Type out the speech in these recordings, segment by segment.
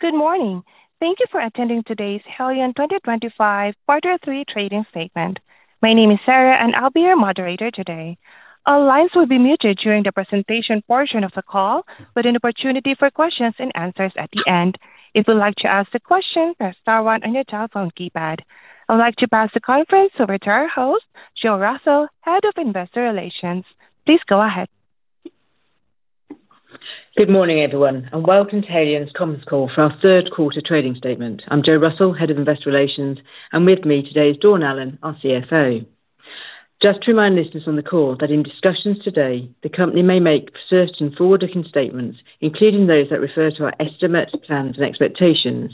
Good morning. Thank you for attending today's Haleon 2025 Quarter Three trading segment. My name is Sarah, and I'll be your moderator today. All lines will be muted during the presentation portion of the call, with an opportunity for questions and answers at the end. If you'd like to ask a question, press star one on your telephone keypad. I'd like to pass the conference over to our host, Jo Russell, Head of Investor Relations. Please go ahead. Good morning, everyone, and welcome to Haleon's comms call for our third quarter trading statement. I'm Jo Russell, Head of Investor Relations, and with me today is Dawn Allen, our CFO. Just to remind listeners on the call that in discussions today, the company may make certain forward-looking statements, including those that refer to our estimates, plans, and expectations.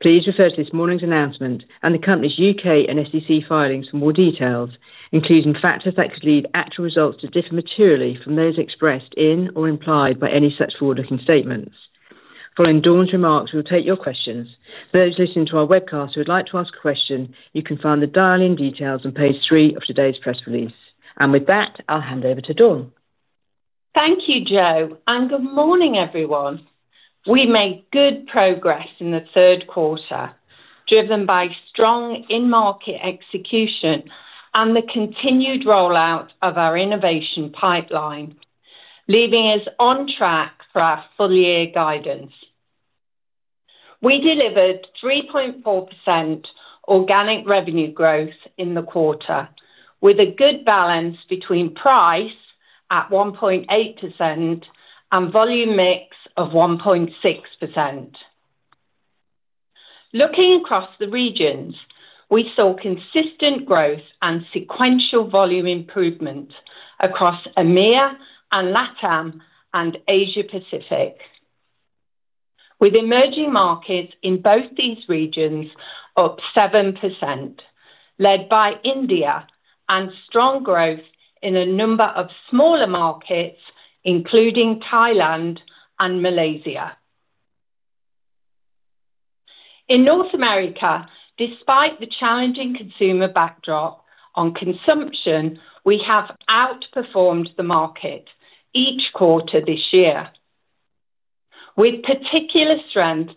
Please refer to this morning's announcement and the company's UK and SEC filings for more details, including factors that could lead actual results to differ materially from those expressed in or implied by any such forward-looking statements. Following Dawn's remarks, we'll take your questions. For those listening to our webcast who would like to ask a question, you can find the dial-in details on page three of today's press release. With that, I'll hand over to Dawn. Thank you, Jo, and good morning, everyone. We made good progress in the third quarter, driven by strong in-market execution and the continued rollout of our innovation pipeline, leaving us on track for our full-year guidance. We delivered 3.4% organic revenue growth in the quarter, with a good balance between price at 1.8% and volume mix of 1.6%. Looking across the regions, we saw consistent growth and sequential volume improvement across EMEA and LATAM and Asia-Pacific, with emerging markets in both these regions up 7%, led by India and strong growth in a number of smaller markets, including Thailand and Malaysia. In North America, despite the challenging consumer backdrop on consumption, we have outperformed the market each quarter this year, with particular strength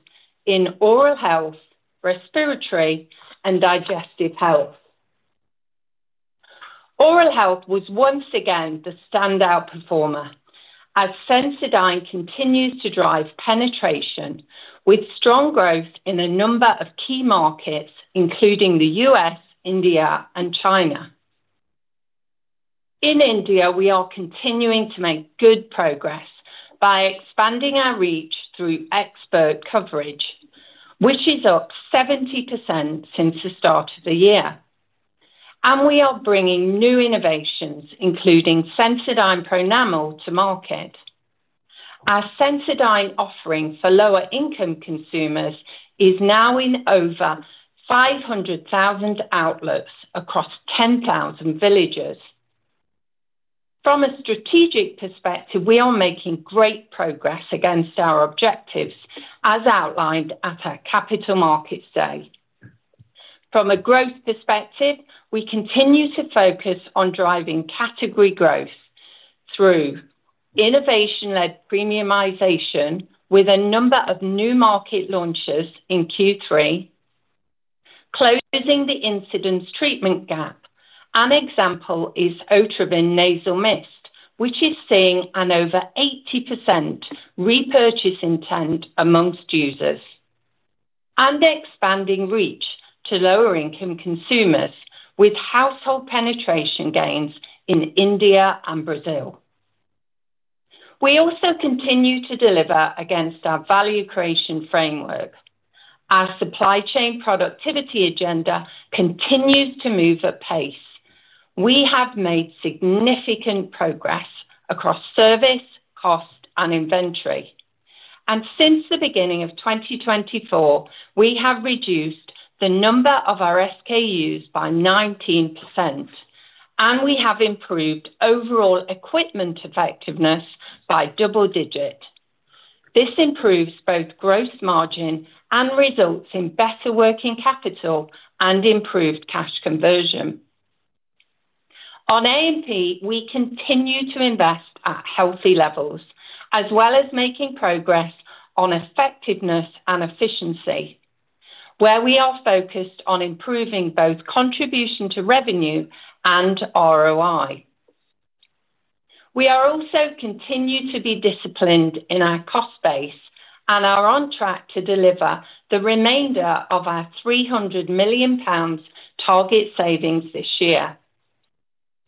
in oral health, respiratory, and digestive health. Oral health was once again the standout performer, as Sensodyne continues to drive penetration, with strong growth in a number of key markets, including the US, India, and China. In India, we are continuing to make good progress by expanding our reach through export coverage, which is up 70% since the start of the year. We are bringing new innovations, including Sensodyne Pronamel to market. Our Sensodyne offering for lower-income consumers is now in over 500,000 outlets across 10,000 villages. From a strategic perspective, we are making great progress against our objectives, as outlined at our Capital Markets Day. From a growth perspective, we continue to focus on driving category growth through innovation-led premiumization, with a number of new market launches in Q3 closing the incidence treatment gap. An example is Otrivin Nasal Mist, which is seeing an over 80% repurchase intent amongst users and expanding reach to lower-income consumers, with household penetration gains in India and Brazil. We also continue to deliver against our value creation framework. Our supply chain productivity agenda continues to move at pace. We have made significant progress across service, cost, and inventory. Since the beginning of 2024, we have reduced the number of our SKUs by 19%, and we have improved overall equipment effectiveness by double digits. This improves both gross margin and results in better working capital and improved cash conversion. On AP, we continue to invest at healthy levels, as well as making progress on effectiveness and efficiency, where we are focused on improving both contribution to revenue and ROI. We also continue to be disciplined in our cost base and are on track to deliver the remainder of our £300 million target savings this year.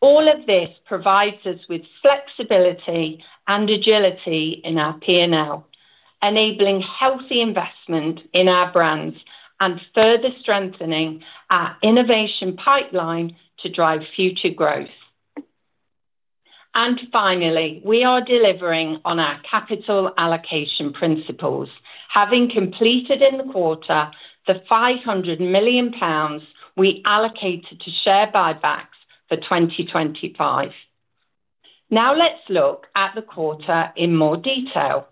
All of this provides us with flexibility and agility in our P&L, enabling healthy investment in our brands and further strengthening our innovation pipeline to drive future growth. Finally, we are delivering on our capital allocation principles, having completed in the quarter the EUR 500 million we allocated to share buybacks for 2025. Now let's look at the quarter in more detail.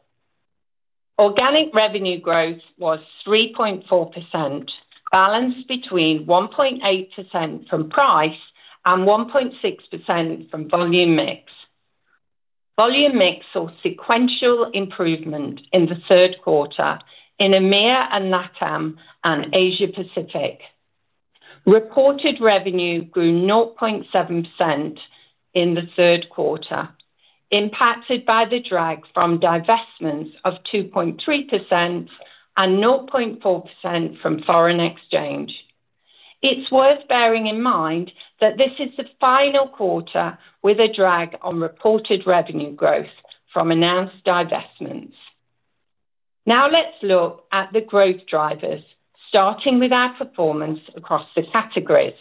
Organic revenue growth was 3.4%, balanced between 1.8% from price and 1.6% from volume mix. Volume mix saw sequential improvement in the third quarter in EMEA and LATAM and Asia-Pacific. Reported revenue grew 0.7% in the third quarter, impacted by the drag from divestments of 2.3% and 0.4% from foreign exchange. It's worth bearing in mind that this is the final quarter with a drag on reported revenue growth from announced divestments. Now let's look at the growth drivers, starting with our performance across the categories.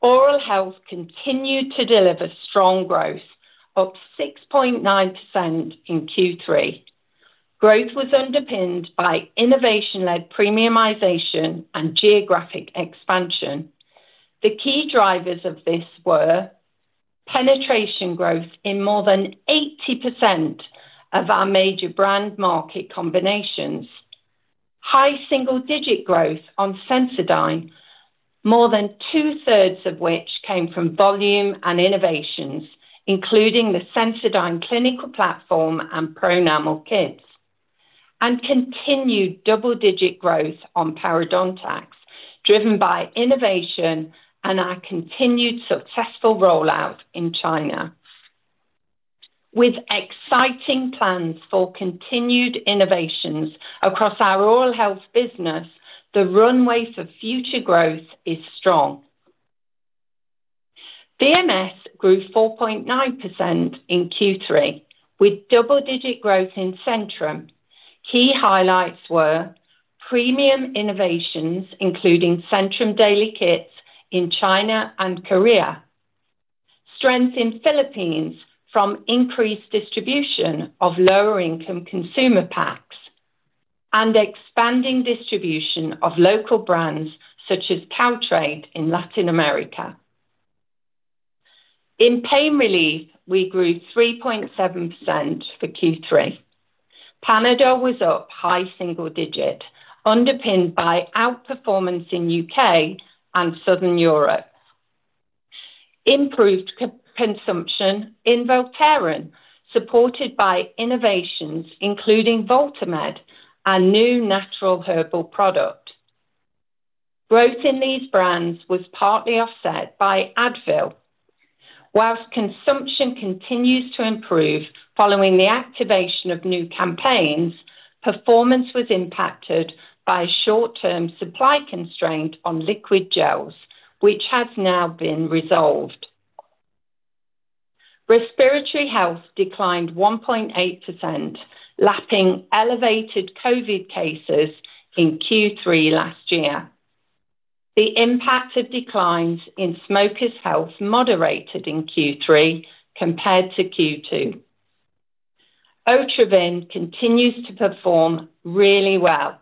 Oral health continued to deliver strong growth, up 6.9% in Q3. Growth was underpinned by innovation-led premiumization and geographic expansion. The key drivers of this were penetration growth in more than 80% of our major brand market combinations, high single-digit growth on Sensodyne, more than two-thirds of which came from volume and innovations, including the Sensodyne clinical platform and Pronamel kits, and continued double-digit growth on Parodontax, driven by innovation and our continued successful rollout in China. With exciting plans for continued innovations across our oral health business, the runway for future growth is strong. BMS grew 4.9% in Q3, with double-digit growth in Centrum. Key highlights were premium innovations, including Centrum Daily kits in China and Korea, strength in Philippines from increased distribution of lower-income consumer packs, and expanding distribution of local brands such as Caltrate in Latin America. In pain relief, we grew 3.7% for Q3. Panadol was up high single digit, underpinned by outperformance in the UK and Southern Europe. Improved consumption in Voltaren, supported by innovations including Voltaren and new natural herbal product. Growth in these brands was partly offset by Advil. Whilst consumption continues to improve following the activation of new campaigns, performance was impacted by short-term supply constraint on liquid gels, which has now been resolved. Respiratory health declined 1.8%, lapping elevated COVID cases in Q3 last year. The impact of declines in smokers' health moderated in Q3 compared to Q2. Otrivin continues to perform really well,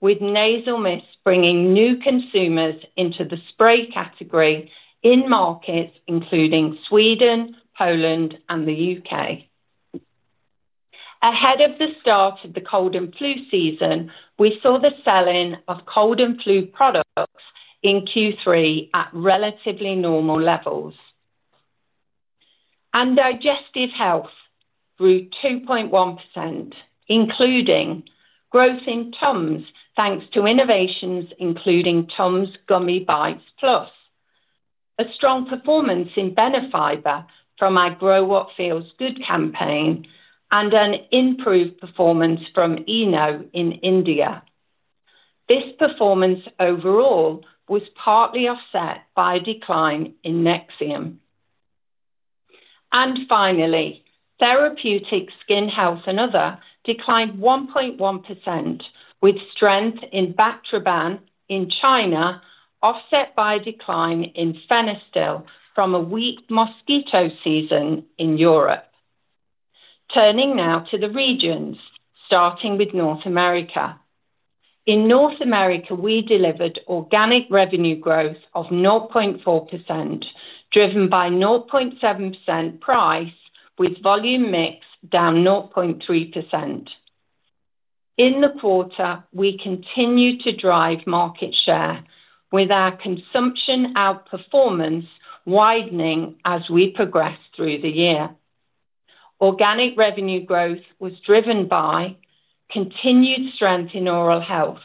with Nasal Mist bringing new consumers into the spray category in markets including Sweden, Poland, and the UK. Ahead of the start of the cold and flu season, we saw the sell-in of cold and flu products in Q3 at relatively normal levels. Digestive health grew 2.1%, including growth in TUMS thanks to innovations including TUMS Gummy Bites Plus, a strong performance in Benefiber from our Grow What Feels Good campaign, and an improved performance from ENO in India. This performance overall was partly offset by a decline in Nexium. Finally, therapeutic skin health and other declined 1.1%, with strength in Bactroban in China, offset by a decline in Fenistil from a weak mosquito season in Europe. Turning now to the regions, starting with North America. In North America, we delivered organic revenue growth of 0.4%, driven by 0.7% price, with volume mix down 0.3%. In the quarter, we continued to drive market share, with our consumption outperformance widening as we progressed through the year. Organic revenue growth was driven by continued strength in oral health,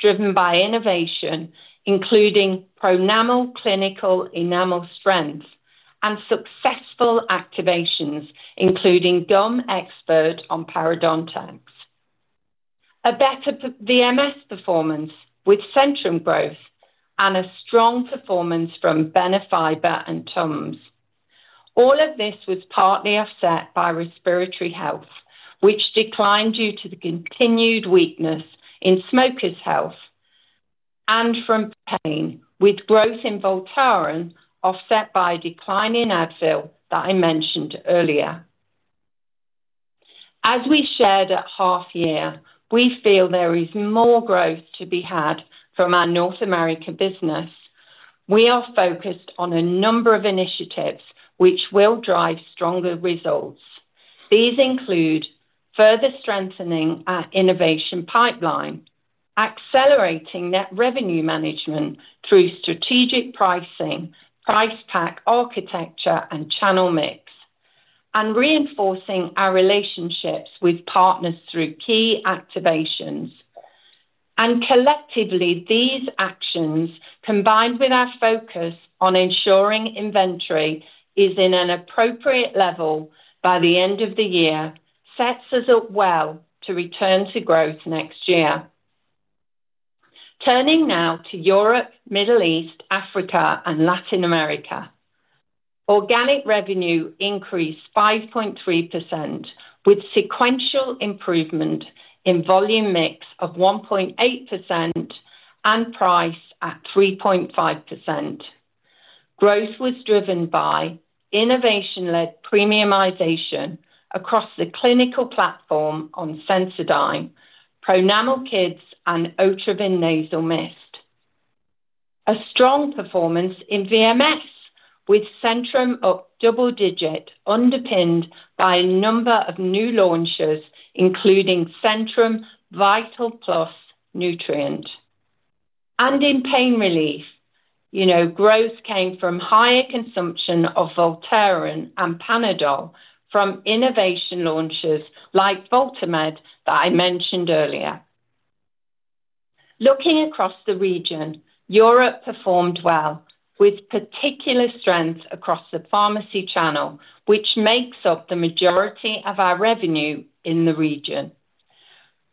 driven by innovation, including Pronamel clinical enamel strength and successful activations, including gum export on Parodontax. A better BMS performance with Centrum growth and a strong performance from Benefiber and TUMS. All of this was partly offset by respiratory health, which declined due to the continued weakness in smokers' health and from pain, with growth in Voltaren offset by a decline in Advil that I mentioned earlier. As we shared at half-year, we feel there is more growth to be had from our North America business. We are focused on a number of initiatives which will drive stronger results. These include further strengthening our innovation pipeline, accelerating net revenue management through strategic pricing, price pack architecture, and channel mix, and reinforcing our relationships with partners through key activations. Collectively, these actions, combined with our focus on ensuring inventory is in an appropriate level by the end of the year, set us up well to return to growth next year. Turning now to Europe, Middle East, Africa, and Latin America, organic revenue increased 5.3%, with sequential improvement in volume mix of 1.8% and price at 3.5%. Growth was driven by innovation-led premiumization across the clinical platform on Sensodyne, Pronamel kits, and Otrivin Nasal Mist. A strong performance in VMS, with Centrum up double digit, underpinned by a number of new launches, including Centrum Vital Plus Nutrient. In pain relief, growth came from higher consumption of Voltaren and Panadol from innovation launches like Voltamed that I mentioned earlier. Looking across the region, Europe performed well, with particular strength across the pharmacy channel, which makes up the majority of our revenue in the region.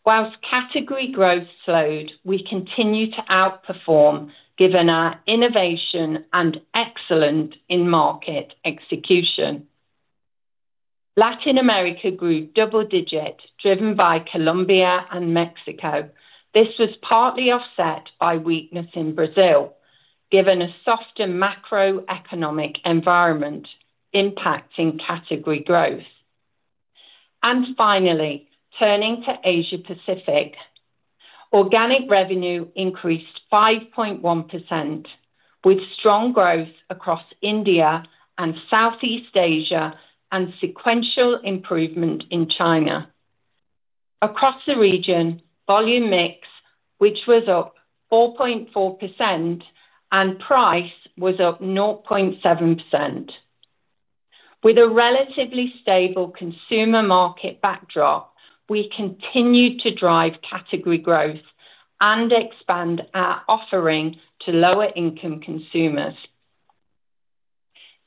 Whilst category growth slowed, we continue to outperform, given our innovation and excellent in-market execution. Latin America grew double digit, driven by Colombia and Mexico. This was partly offset by weakness in Brazil, given a softer macroeconomic environment impacting category growth. Finally, turning to Asia-Pacific, organic revenue increased 5.1%, with strong growth across India and Southeast Asia and sequential improvement in China. Across the region, volume mix, which was up 4.4%, and price was up 0.7%. With a relatively stable consumer market backdrop, we continued to drive category growth and expand our offering to lower-income consumers.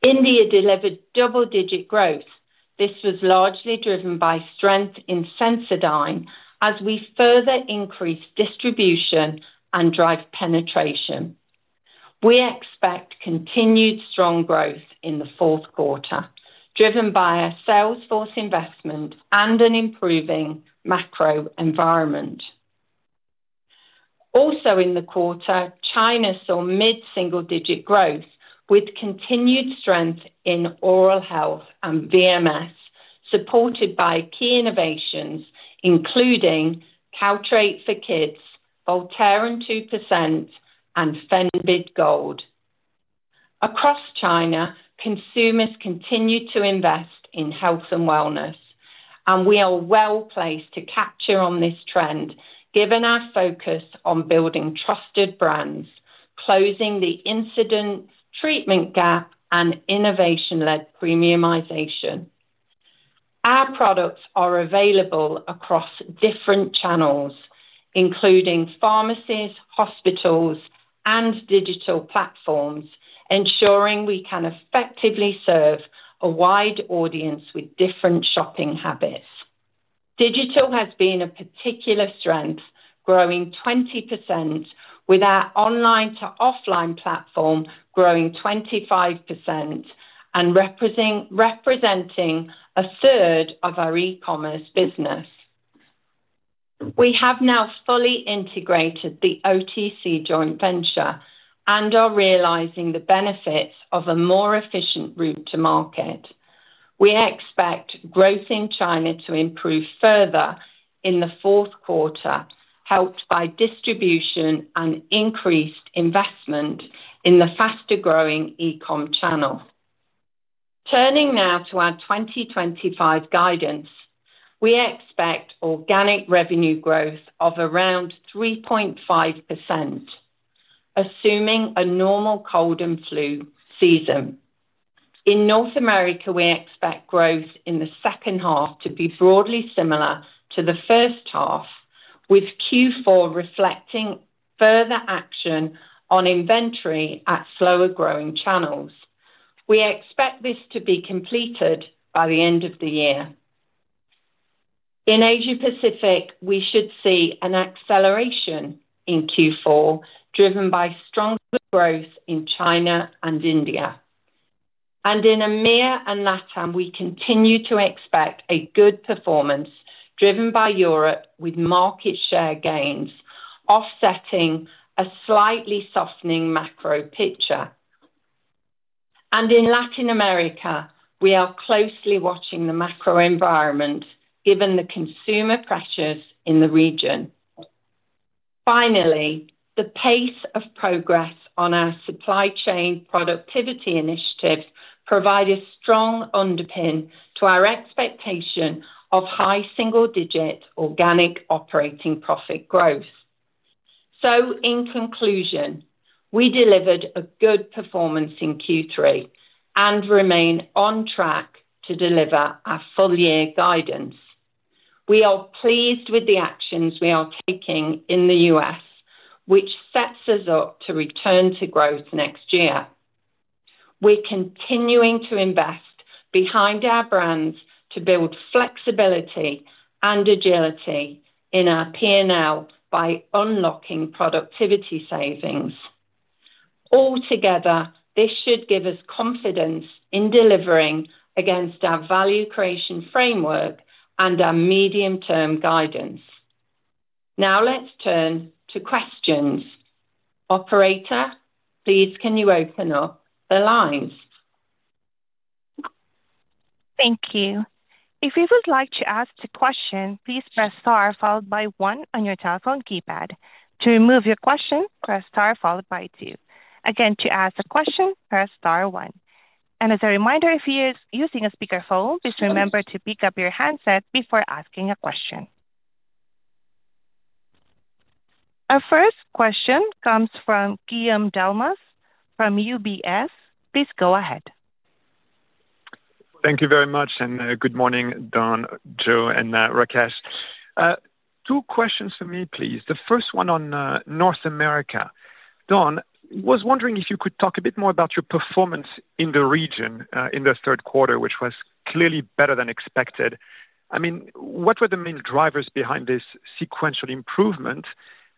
India delivered double-digit growth. This was largely driven by strength in Sensodyne, as we further increased distribution and drive penetration. We expect continued strong growth in the fourth quarter, driven by our salesforce investment and an improving macro environment. Also in the quarter, China saw mid-single-digit growth, with continued strength in oral health and VMS, supported by key innovations including Caltrate for Kids, Voltaren 2%, and Fenistil Gold. Across China, consumers continue to invest in health and wellness, and we are well placed to capture on this trend, given our focus on building trusted brands, closing the incidence treatment gap, and innovation-led premiumization. Our products are available across different channels, including pharmacies, hospitals, and digital platforms, ensuring we can effectively serve a wide audience with different shopping habits. Digital has been a particular strength, growing 20%, with our online-to-offline platform growing 25% and representing a third of our e-commerce business. We have now fully integrated the OTC joint venture and are realizing the benefits of a more efficient route to market. We expect growth in China to improve further in the fourth quarter, helped by distribution and increased investment in the faster-growing e-com channel. Turning now to our 2025 guidance, we expect organic revenue growth of around 3.5%, assuming a normal cold and flu season. In North America, we expect growth in the second half to be broadly similar to the first half, with Q4 reflecting further action on inventory at slower-growing channels. We expect this to be completed by the end of the year. In Asia-Pacific, we should see an acceleration in Q4, driven by stronger growth in China and India. In EMEA and LATAM, we continue to expect a good performance, driven by Europe, with market share gains, offsetting a slightly softening macro picture. In Latin America, we are closely watching the macro environment, given the consumer pressures in the region. Finally, the pace of progress on our supply chain productivity initiatives provides a strong underpin to our expectation of high single-digit organic operating profit growth. In conclusion, we delivered a good performance in Q3 and remain on track to deliver our full-year guidance. We are pleased with the actions we are taking in the US, which sets us up to return to growth next year. We're continuing to invest behind our brands to build flexibility and agility in our P&L by unlocking productivity savings. Altogether, this should give us confidence in delivering against our value creation framework and our medium-term guidance. Now let's turn to questions. Operator, please, can you open up the lines? Thank you. If you would like to ask a question, please press star followed by one on your telephone keypad. To remove your question, press star followed by two. Again, to ask a question, press star one. As a reminder, if you're using a speaker phone, please remember to pick up your handset before asking a question. Our first question comes from Guillaume Delmas from UBS. Please go ahead. Thank you very much, and good morning, Dawn, Jo, and Rakesh. Two questions for me, please. The first one on North America. Dawn, I was wondering if you could talk a bit more about your performance in the region in the third quarter, which was clearly better than expected. What were the main drivers behind this sequential improvement,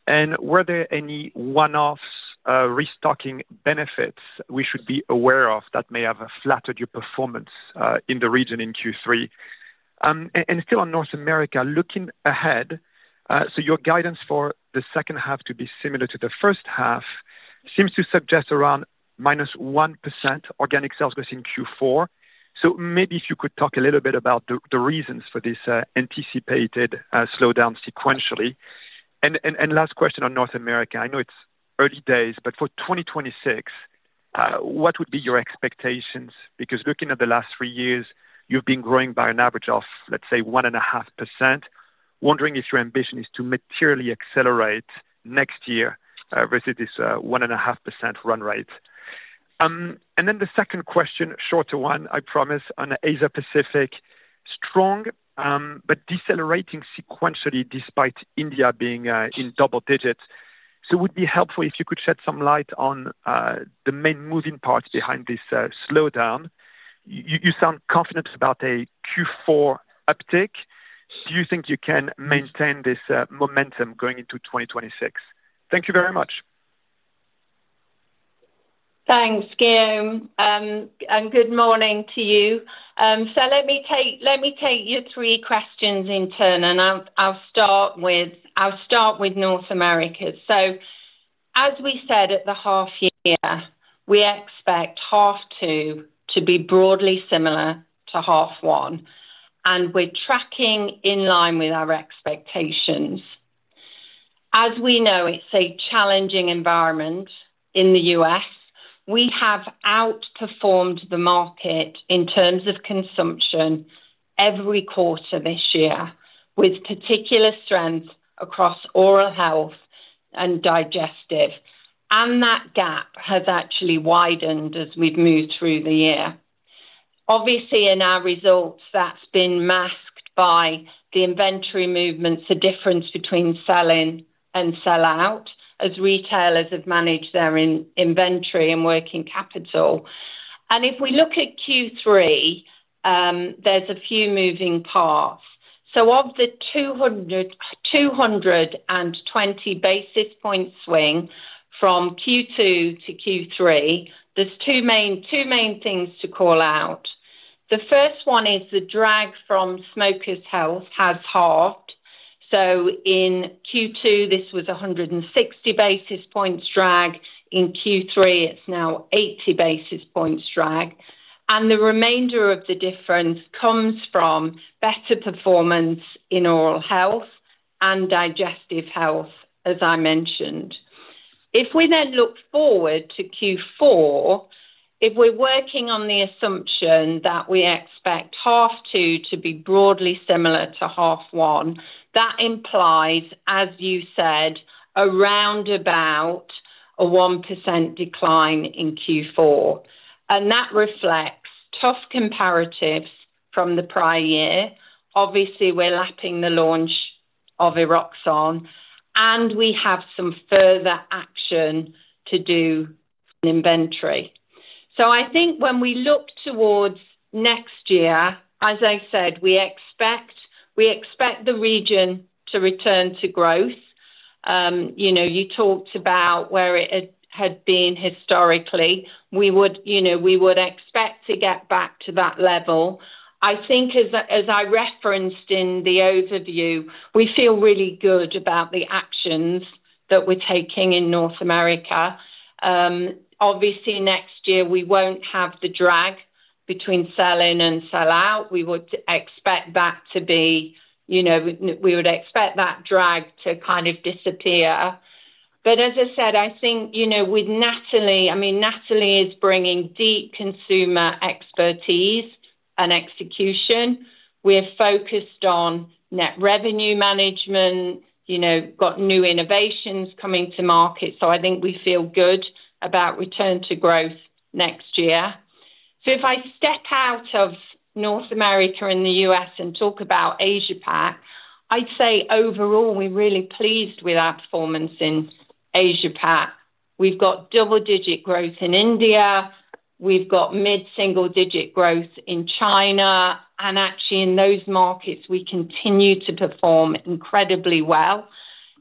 and were there any one-offs or restocking benefits we should be aware of that may have flattened your performance in the region in Q3? Still on North America, looking ahead, your guidance for the second half to be similar to the first half seems to suggest around -1% organic sales growth in Q4. Maybe if you could talk a little bit about the reasons for this anticipated slowdown sequentially. Last question on North America, I know it's early days, but for 2026, what would be your expectations? Because looking at the last three years, you've been growing by an average of, let's say, 1.5%. Wondering if your ambition is to materially accelerate next year versus this 1.5% run rate. The second question, shorter one, I promise, on Asia-Pacific, strong but decelerating sequentially despite India being in double digits. It would be helpful if you could shed some light on the main moving parts behind this slowdown. You sound confident about a Q4 uptake. Do you think you can maintain this momentum going into 2026? Thank you very much. Thanks, Guillaume, and good morning to you. Let me take your three questions in turn, and I'll start with North America. As we said at the half-year, we expect half two to be broadly similar to half one, and we're tracking in line with our expectations. As we know, it's a challenging environment in the U.S. We have outperformed the market in terms of consumption every quarter this year, with particular strength across oral health and digestive. That gap has actually widened as we've moved through the year. In our results, that's been masked by the inventory movements, the difference between selling and sell-out as retailers have managed their inventory and working capital. If we look at Q3, there's a few moving parts. Of the 220 basis points swing from Q2 to Q3, there's two main things to call out. The first one is the drag from smokers' health has halved. In Q2, this was 160 basis points drag. In Q3, it's now 80 basis points drag. The remainder of the difference comes from better performance in oral health and digestive health, as I mentioned. If we then look forward to Q4, if we're working on the assumption that we expect half two to be broadly similar to half one, that implies, as you said, around about 1% decline in Q4. That reflects tough comparatives from the prior year. We're lapping the launch of Eroxon, and we have some further action to do in inventory. When we look towards next year, as I said, we expect the region to return to growth. You talked about where it had been historically. We would expect to get back to that level. As I referenced in the overview, we feel really good about the actions that we're taking in North America. Next year, we won't have the drag between sell-in and sell-out. We would expect that drag to kind of disappear. As I said, with Natalie, I mean, Natalie is bringing deep consumer expertise and execution. We're focused on net revenue management, got new innovations coming to market. We feel good about return to growth next year. If I step out of North America and the U.S. and talk about Asia-Pacific, I'd say overall we're really pleased with our performance in Asia-Pacific. We've got double-digit growth in India. We've got mid-single-digit growth in China. In those markets, we continue to perform incredibly well.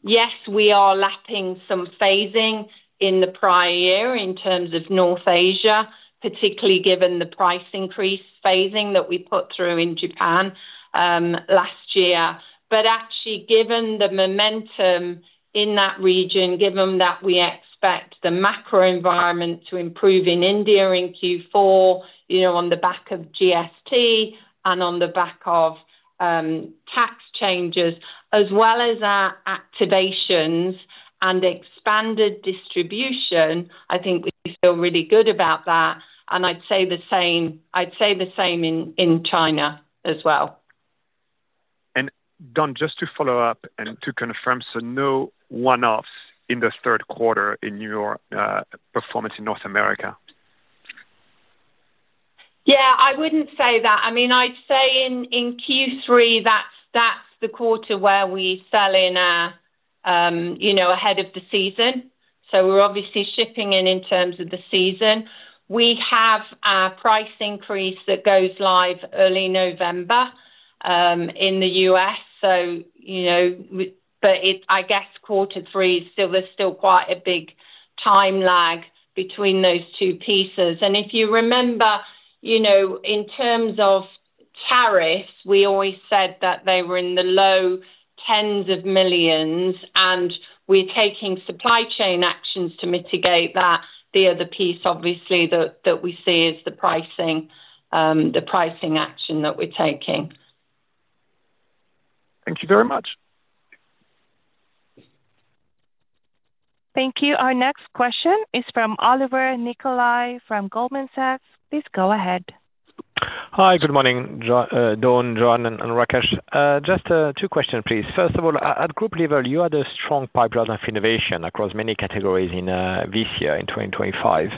Yes, we are lapping some phasing in the prior year in terms of North Asia, particularly given the price increase phasing that we put through in Japan last year. Actually, given the momentum in that region, given that we expect the macro environment to improve in India in Q4, you know, on the back of GST and on the back of tax changes, as well as our activations and expanded distribution, I think we feel really good about that. I'd say the same in China as well. Dawn, just to follow up and to confirm, no one-offs in the third quarter in your performance in North America? I wouldn't say that. I'd say in Q3, that's the quarter where we sell in ahead of the season. We're obviously shipping in in terms of the season. We have a price increase that goes live early November in the US. Quarter three is still, there's still quite a big time lag between those two pieces. If you remember, in terms of tariffs, we always said that they were in the low tens of millions, and we're taking supply chain actions to mitigate that. The other piece, obviously, that we see is the pricing, the pricing action that we're taking. Thank you very much. Thank you. Our next question is from Olivier Nicolai from Goldman Sachs. Please go ahead. Hi, good morning, Dawn, Jo, and Rakesh. Just two questions, please. First of all, at group level, you had a strong pipeline of innovation across many categories in this year, in 2025.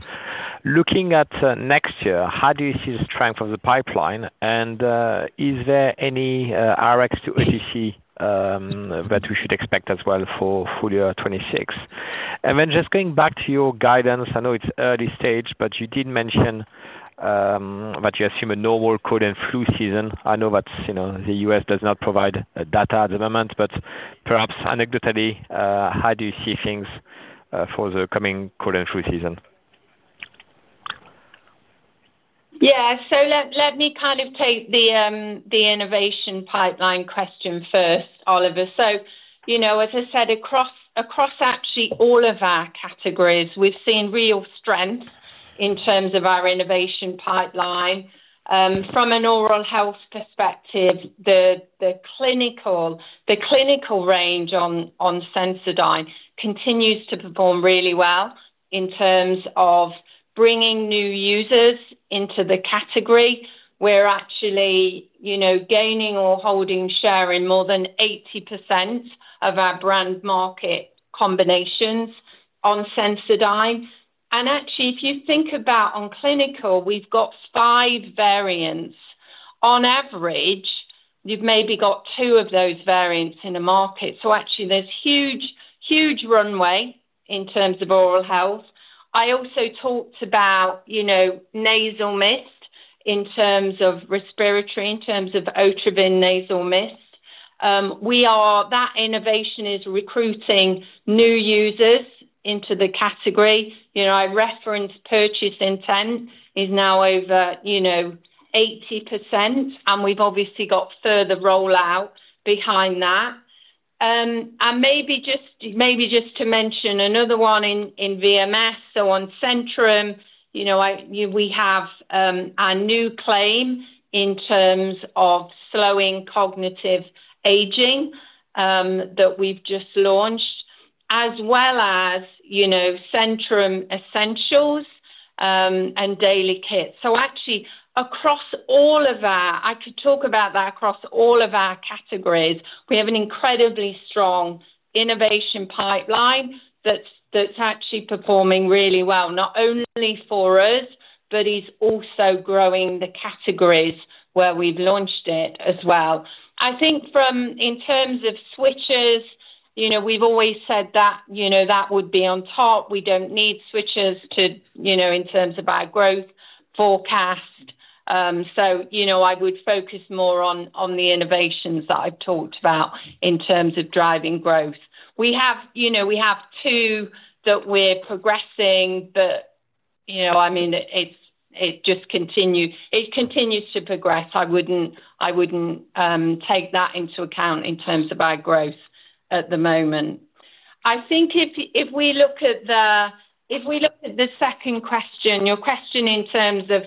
Looking at next year, how do you see the strength of the pipeline? Is there any RX to OTC that we should expect as well for full year 2026? Just going back to your guidance, I know it's early stage, but you did mention that you assume a normal cold and flu season. I know that the U.S. does not provide data at the moment, but perhaps anecdotally, how do you see things for the coming cold and flu season? Let me take the innovation pipeline question first, Olivier. As I said, across actually all of our categories, we've seen real strength in terms of our innovation pipeline. From an oral health perspective, the clinical range on Sensodyne continues to perform really well in terms of bringing new users into the category. We're actually gaining or holding share in more than 80% of our brand market combinations on Sensodyne. If you think about on clinical, we've got five variants. On average, you've maybe got two of those variants in a market. There is huge runway in terms of oral health. I also talked about nasal mist in terms of respiratory, in terms of Otrivin Nasal Mist. That innovation is recruiting new users into the category. I referenced purchase intent is now over 80%, and we've obviously got further rollout behind that. Maybe just to mention another one in VMS. On Centrum, we have a new claim in terms of slowing cognitive aging that we've just launched, as well as Centrum Essentials and Daily Kit. Across all of our categories, we have an incredibly strong innovation pipeline that's actually performing really well, not only for us, but is also growing the categories where we've launched it as well. I think in terms of switches, we've always said that would be on top. We don't need switches in terms of our growth forecast. I would focus more on the innovations that I've talked about in terms of driving growth. We have two that we're progressing, but it just continues to progress. I wouldn't take that into account in terms of our growth at the moment. If we look at the second question, your question in terms of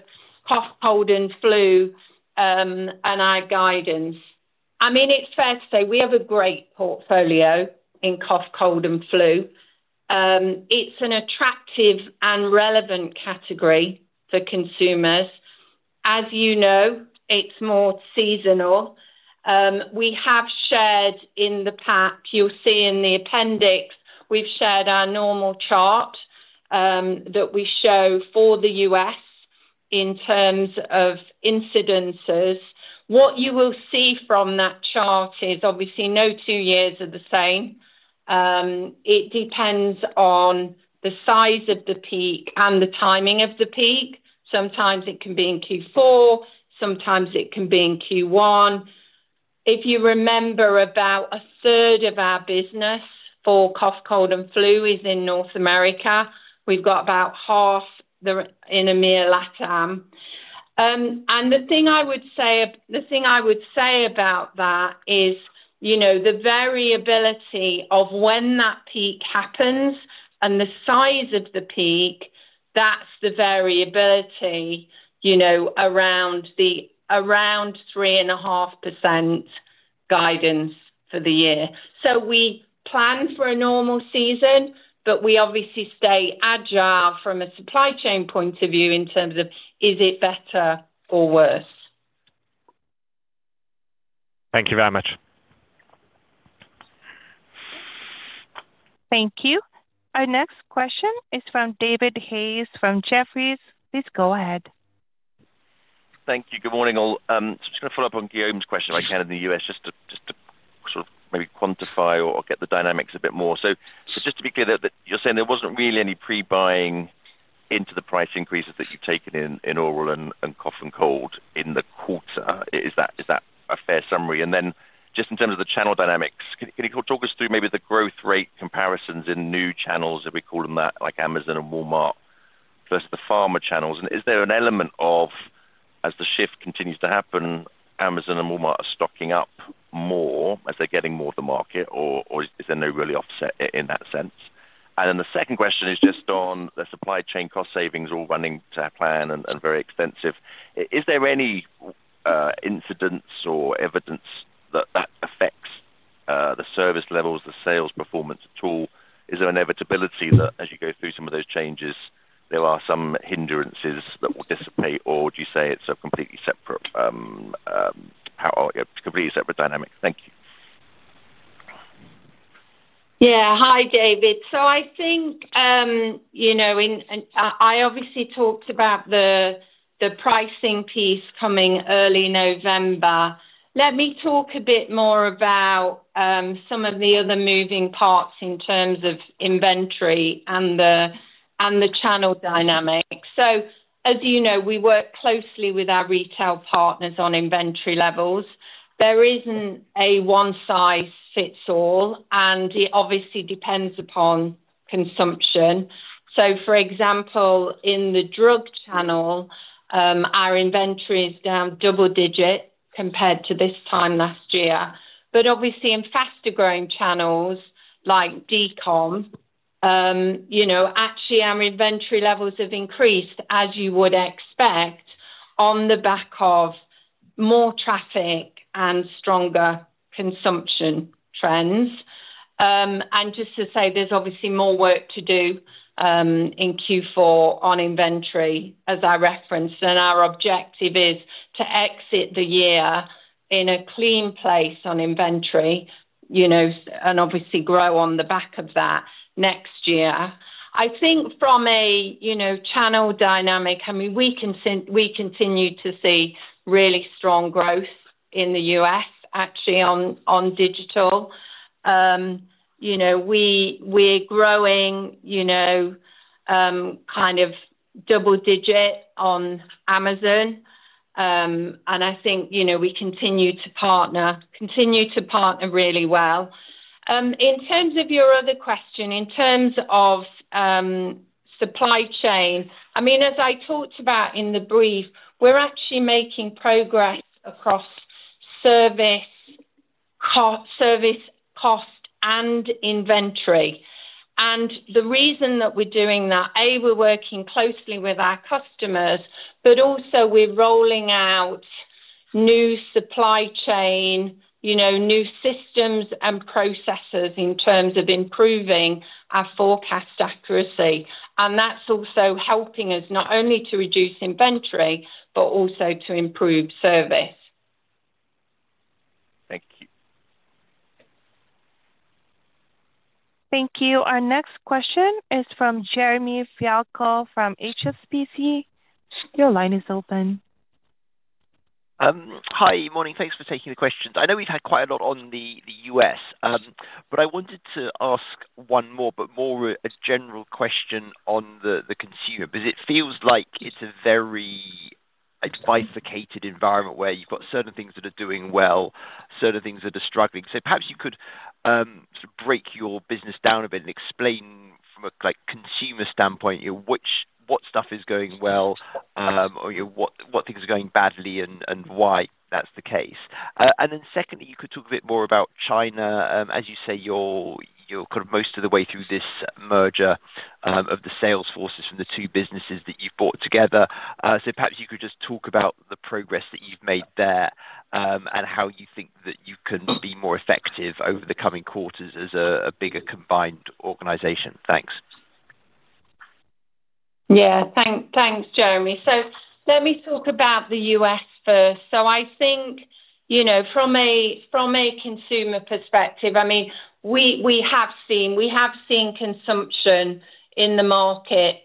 cough, cold, and flu, and our guidance, it's fair to say we have a great portfolio in cough, cold, and flu. It's an attractive and relevant category for consumers. As you know, it's more seasonal. We have shared in the pack, you'll see in the appendix, we've shared our normal chart that we show for the U.S. in terms of incidences. What you will see from that chart is no two years are the same. It depends on the size of the peak and the timing of the peak. Sometimes it can be in Q4, sometimes it can be in Q1. If you remember, about a third of our business for cough, cold, and flu is in North America. We've got about half in EMEA and LATAM. The thing I would say about that is the variability of when that peak happens and the size of the peak, that's the variability around the 3.5% guidance for the year. We plan for a normal season, but we obviously stay agile from a supply chain point of view in terms of is it better or worse? Thank you very much. Thank you. Our next question is from David Hayes from Jefferies. Please go ahead. Thank you. Good morning all. I'm just going to follow up on Guillaume's question about Canada and the U.S., just to maybe quantify or get the dynamics a bit more. Just to be clear, you're saying there wasn't really any pre-buying into the price increases that you've taken in oral and cough and cold in the quarter. Is that a fair summary? In terms of the channel dynamics, can you talk us through maybe the growth rate comparisons in new channels, if we call them that, like Amazon and Walmart versus the pharma channels? Is there an element of, as the shift continues to happen, Amazon and Walmart are stocking up more as they're getting more of the market, or is there no real offset in that sense? The second question is just on the supply chain cost savings all running to plan and very extensive. Is there any incidents or evidence that affects the service levels, the sales performance at all? Is there an inevitability that as you go through some of those changes, there are some hindrances that will dissipate, or would you say it's a completely separate dynamic? Thank you. Yeah. Hi, David. I think, you know, I obviously talked about the pricing piece coming early November. Let me talk a bit more about some of the other moving parts in terms of inventory and the channel dynamics. As you know, we work closely with our retail partners on inventory levels. There isn't a one size fits all, and it obviously depends upon consumption. For example, in the drug channel, our inventory is down double digit compared to this time last year. Obviously, in faster-growing channels like DCOM, actually, our inventory levels have increased, as you would expect, on the back of more traffic and stronger consumption trends. Just to say, there's obviously more work to do in Q4 on inventory, as I referenced. Our objective is to exit the year in a clean place on inventory, you know, and obviously grow on the back of that next year. I think from a channel dynamic, we continue to see really strong growth in the US, actually, on digital. We're growing, you know, kind of double digit on Amazon. I think we continue to partner, continue to partner really well. In terms of your other question, in terms of supply chain, as I talked about in the brief, we're actually making progress across service, cost, and inventory. The reason that we're doing that, A, we're working closely with our customers, but also we're rolling out new supply chain, new systems and processes in terms of improving our forecast accuracy. That's also helping us not only to reduce inventory, but also to improve service. Thank you. Thank you. Our next question is from c. Your line is open. Hi. Morning. Thanks for taking the questions. I know we've had quite a lot on the US, but I wanted to ask one more, but more a general question on the consumer, because it feels like it's a very bifurcated environment where you've got certain things that are doing well, certain things that are struggling. Perhaps you could sort of break your business down a bit and explain from a consumer standpoint, you know, what stuff is going well, or what things are going badly and why that's the case. Secondly, you could talk a bit more about China. As you say, you're kind of most of the way through this merger of the sales forces from the two businesses that you've brought together. Perhaps you could just talk about the progress that you've made there and how you think that you can be more effective over the coming quarters as a bigger combined organization. Thanks. Yeah. Thanks, Jeremy. Let me talk about the U.S. first. I think from a consumer perspective, we have seen consumption in the market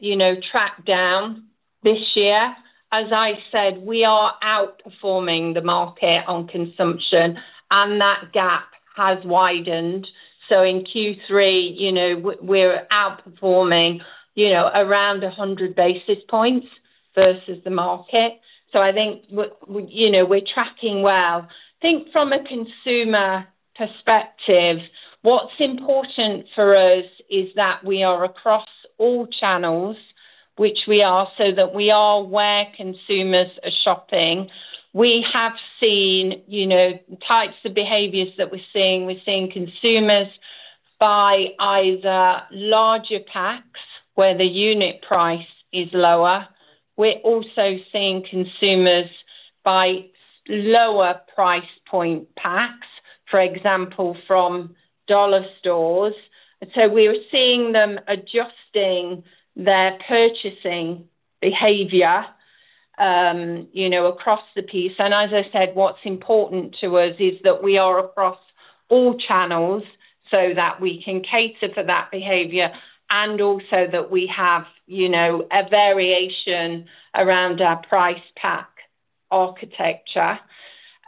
track down this year. As I said, we are outperforming the market on consumption, and that gap has widened. In Q3, we're outperforming around 100 basis points versus the market. I think we're tracking well. From a consumer perspective, what's important for us is that we are across all channels, which we are, so that we are where consumers are shopping. We have seen types of behaviors that we're seeing. We're seeing consumers buy either larger packs where the unit price is lower. We're also seeing consumers buy lower price point packs, for example, from dollar stores. We're seeing them adjusting their purchasing behavior across the piece. As I said, what's important to us is that we are across all channels so that we can cater for that behavior and also that we have a variation around our price pack architecture.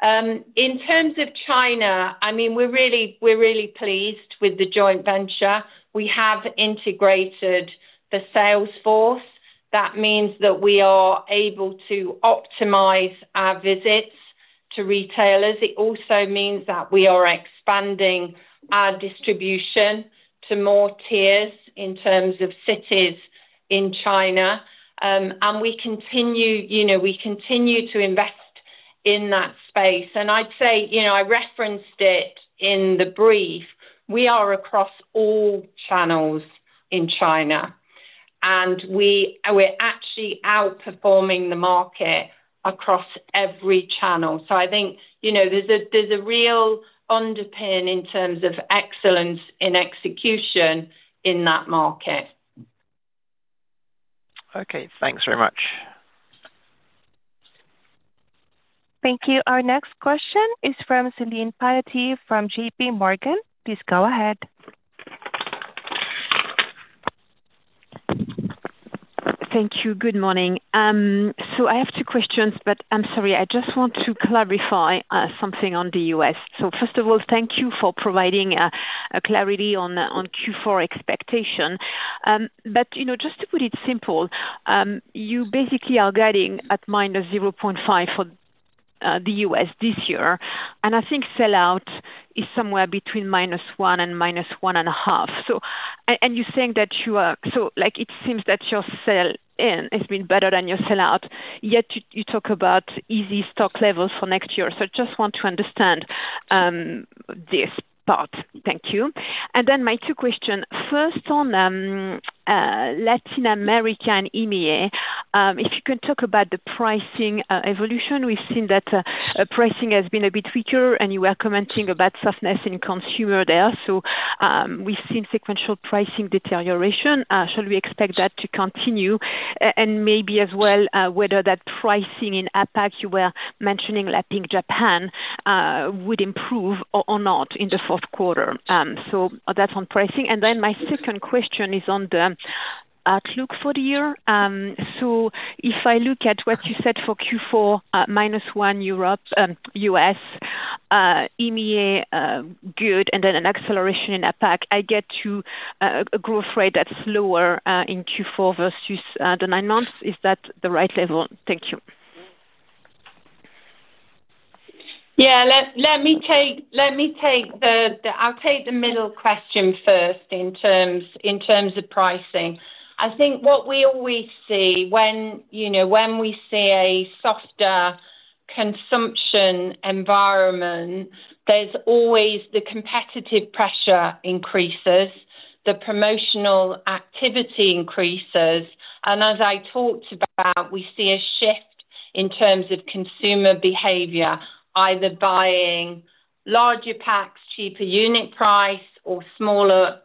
In terms of China, we're really pleased with the joint venture. We have integrated the sales force. That means that we are able to optimize our visits to retailers. It also means that we are expanding our distribution to more tiers in terms of cities in China. We continue to invest in that space. I referenced it in the brief. We are across all channels in China, and we're actually outperforming the market across every channel. I think there's a real underpin in terms of excellence in execution in that market. Okay, thanks very much. Thank you. Our next question is from Celine Payetier from J.P. Morgan. Please go ahead. Thank you. Good morning. I have two questions, but I'm sorry, I just want to clarify something on the U.S. First of all, thank you for providing clarity on Q4 expectation. Just to put it simple, you basically are guiding at -0.5% for the U.S. this year. I think sell-out is somewhere between -1% and -1.5%. You're saying that your sell-in has been better than your sell-out. Yet you talk about easy stock levels for next year. I just want to understand this part. Thank you. My two questions. First, on Latin America and EMEA, if you can talk about the pricing evolution. We've seen that pricing has been a bit weaker, and you were commenting about softness in consumer there. We've seen sequential pricing deterioration. Shall we expect that to continue? Maybe as well, whether that pricing in Asia-Pacific, you were mentioning lapping Japan, would improve or not in the fourth quarter. That's on pricing. My second question is on the outlook for the year. If I look at what you said for Q4, -1% Europe, U.S., EMEA good, and then an acceleration in Asia-Pacific, I get to a growth rate that's lower in Q4 versus the nine months. Is that the right level? Thank you. Let me take the middle question first in terms of pricing. What we always see when we see a softer consumption environment is the competitive pressure increases, the promotional activity increases. As I talked about, we see a shift in terms of consumer behavior, either buying larger packs, cheaper unit price, or smaller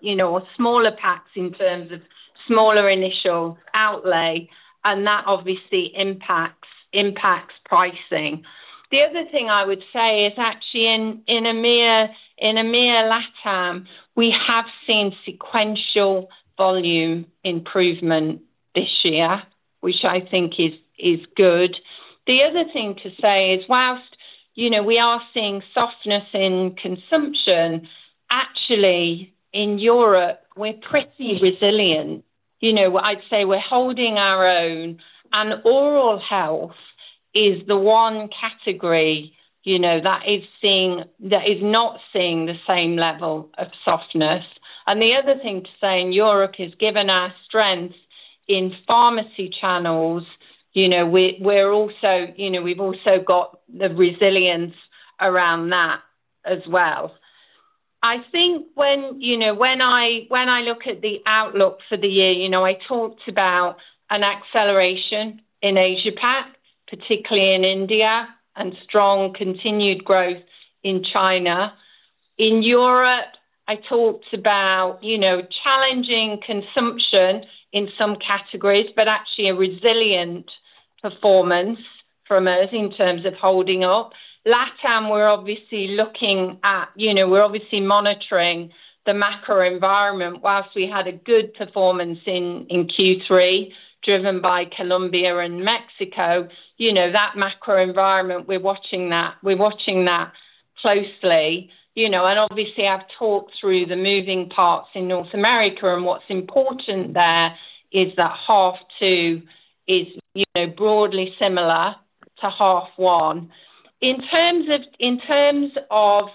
packs in terms of smaller initial outlay. That obviously impacts pricing. The other thing I would say is actually in EMEA and LATAM, we have seen sequential volume improvement this year, which I think is good. The other thing to say is, whilst we are seeing softness in consumption, actually, in Europe, we're pretty resilient. I'd say we're holding our own. Oral health is the one category that is not seeing the same level of softness. The other thing to say in Europe is, given our strength in pharmacy channels, we've also got the resilience around that as well. When I look at the outlook for the year, I talked about an acceleration in Asia-Pacific, particularly in India, and strong continued growth in China. In Europe, I talked about challenging consumption in some categories, but actually a resilient performance from us in terms of holding up. LATAM, we're obviously looking at, we're obviously monitoring the macro environment. Whilst we had a good performance in Q3, driven by Colombia and Mexico, that macro environment, we're watching that. We're watching that closely. I've talked through the moving parts in North America, and what's important there is that half two is broadly similar to half one. In terms of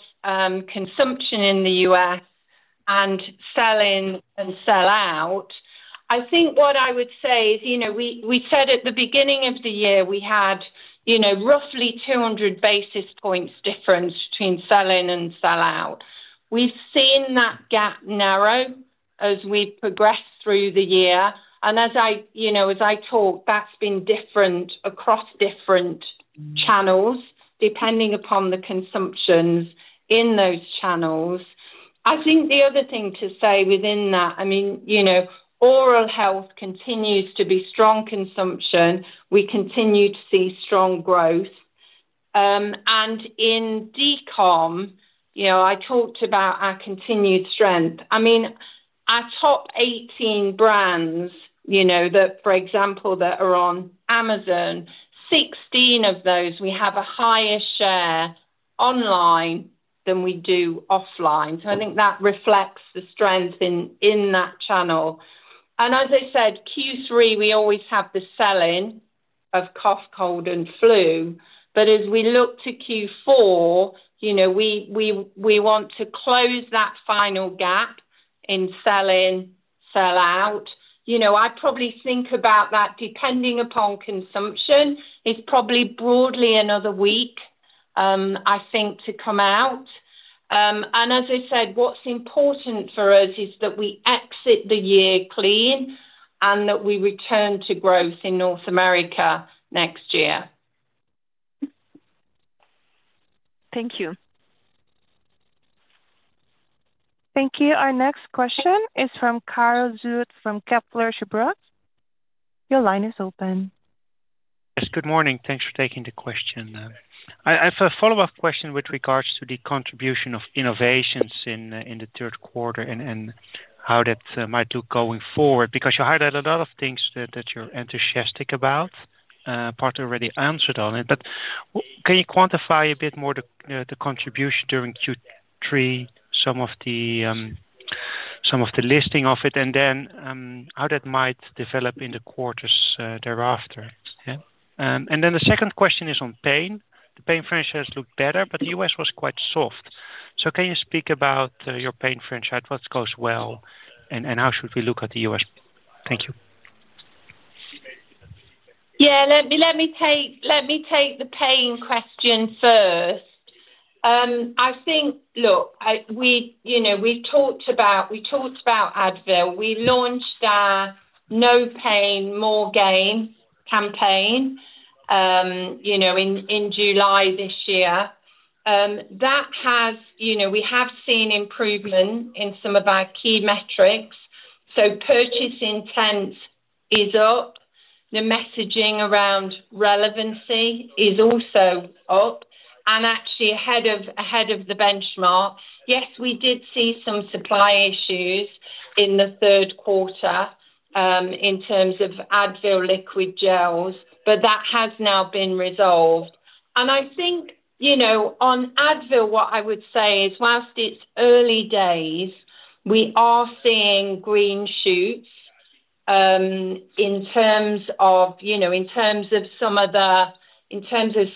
consumption in the U.S. and sell-in and sell-out, what I would say is, we said at the beginning of the year, we had roughly 200 basis points difference between sell-in and sell-out. We've seen that gap narrow as we've progressed through the year. As I talk, that's been different across different channels, depending upon the consumptions in those channels. The other thing to say within that, oral health continues to be strong consumption. We continue to see strong growth. In digital channels, I talked about our continued strength. Our top 18 brands, for example, that are on Amazon, 16 of those, we have a higher share online than we do offline. I think that reflects the strength in that channel. As I said, Q3, we always have the sell-in of cough, cold, and flu. As we look to Q4, we want to close that final gap in sell-in, sell-out. I'd probably think about that, depending upon consumption. It's probably broadly another week, I think, to come out. As I said, what's important for us is that we exit the year clean and that we return to growth in North America next year. Thank you. Thank you. Our next question is from Carl Zuetz from Kepler Cheuvreux. Your line is open. Yes. Good morning. Thanks for taking the question. I have a follow-up question with regards to the contribution of innovations in the third quarter and how that might look going forward, because you highlight a lot of things that you're enthusiastic about. Part already answered on it, but can you quantify a bit more the contribution during Q3, some of the listing of it, and then how that might develop in the quarters thereafter? Yeah. The second question is on pain. The pain franchise looked better, but the U.S. was quite soft. Can you speak about your pain franchise, what goes well, and how should we look at the U.S.? Thank you. Yeah. Let me take the pain question first. I think, look, we've talked about Advil. We launched our No Pain, More Gain campaign in July this year. That has, you know, we have seen improvement in some of our key metrics. Purchase intent is up. The messaging around relevancy is also up, and actually, ahead of the benchmark. Yes, we did see some supply issues in the third quarter in terms of Advil liquid gels, but that has now been resolved. I think, you know, on Advil, what I would say is, whilst it's early days, we are seeing green shoots in terms of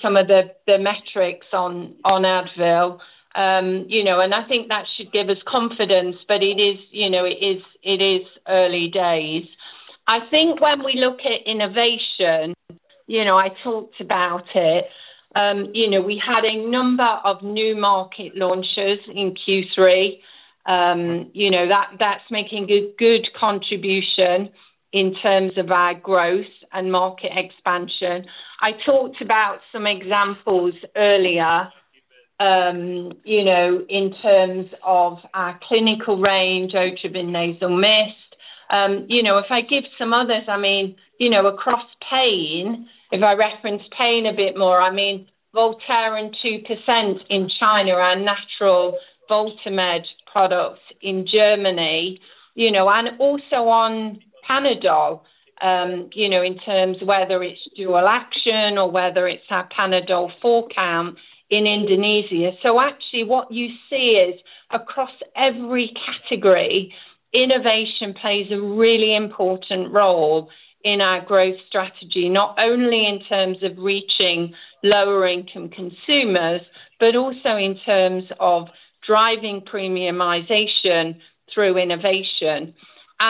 some of the metrics on Advil. I think that should give us confidence, but it is early days. I think when we look at innovation, I talked about it. We had a number of new market launches in Q3. That's making a good contribution in terms of our growth and market expansion. I talked about some examples earlier in terms of our clinical range, Otrivin Nasal Mist. If I give some others, I mean, across pain, if I reference pain a bit more, I mean, Voltaren 2% in China, our natural Voltamed products in Germany, and also on Panadol, in terms of whether it's dual action or whether it's our Panadol forecount in Indonesia. What you see is, across every category, innovation plays a really important role in our growth strategy, not only in terms of reaching lower-income consumers, but also in terms of driving premiumization through innovation.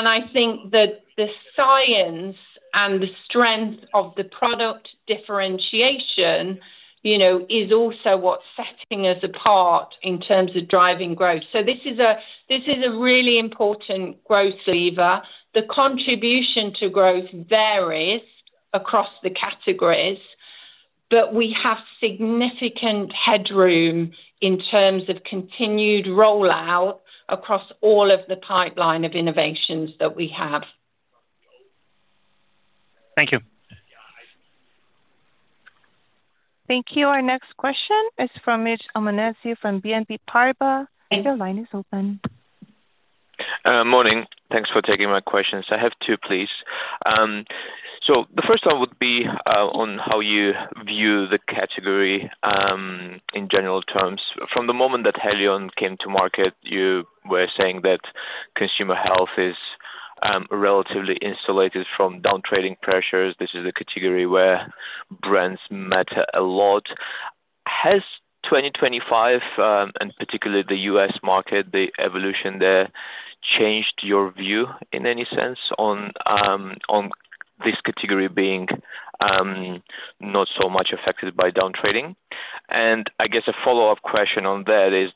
I think that the science and the strength of the product differentiation is also what's setting us apart in terms of driving growth. This is a really important growth lever. The contribution to growth varies across the categories, but we have significant headroom in terms of continued rollout across all of the pipeline of innovations that we have. Thank you. Thank you. Our next question is from Mitch Omanescu from BNP Paribas. Your line is open. Morning. Thanks for taking my questions. I have two, please. The first one would be on how you view the category in general terms. From the moment that Haleon came to market, you were saying that consumer health is relatively insulated from downtrending pressures. This is a category where brands matter a lot. Has 2025, and particularly the U.S. market, the evolution there changed your view in any sense on this category being not so much affected by downtrending? I guess a follow-up question on that is,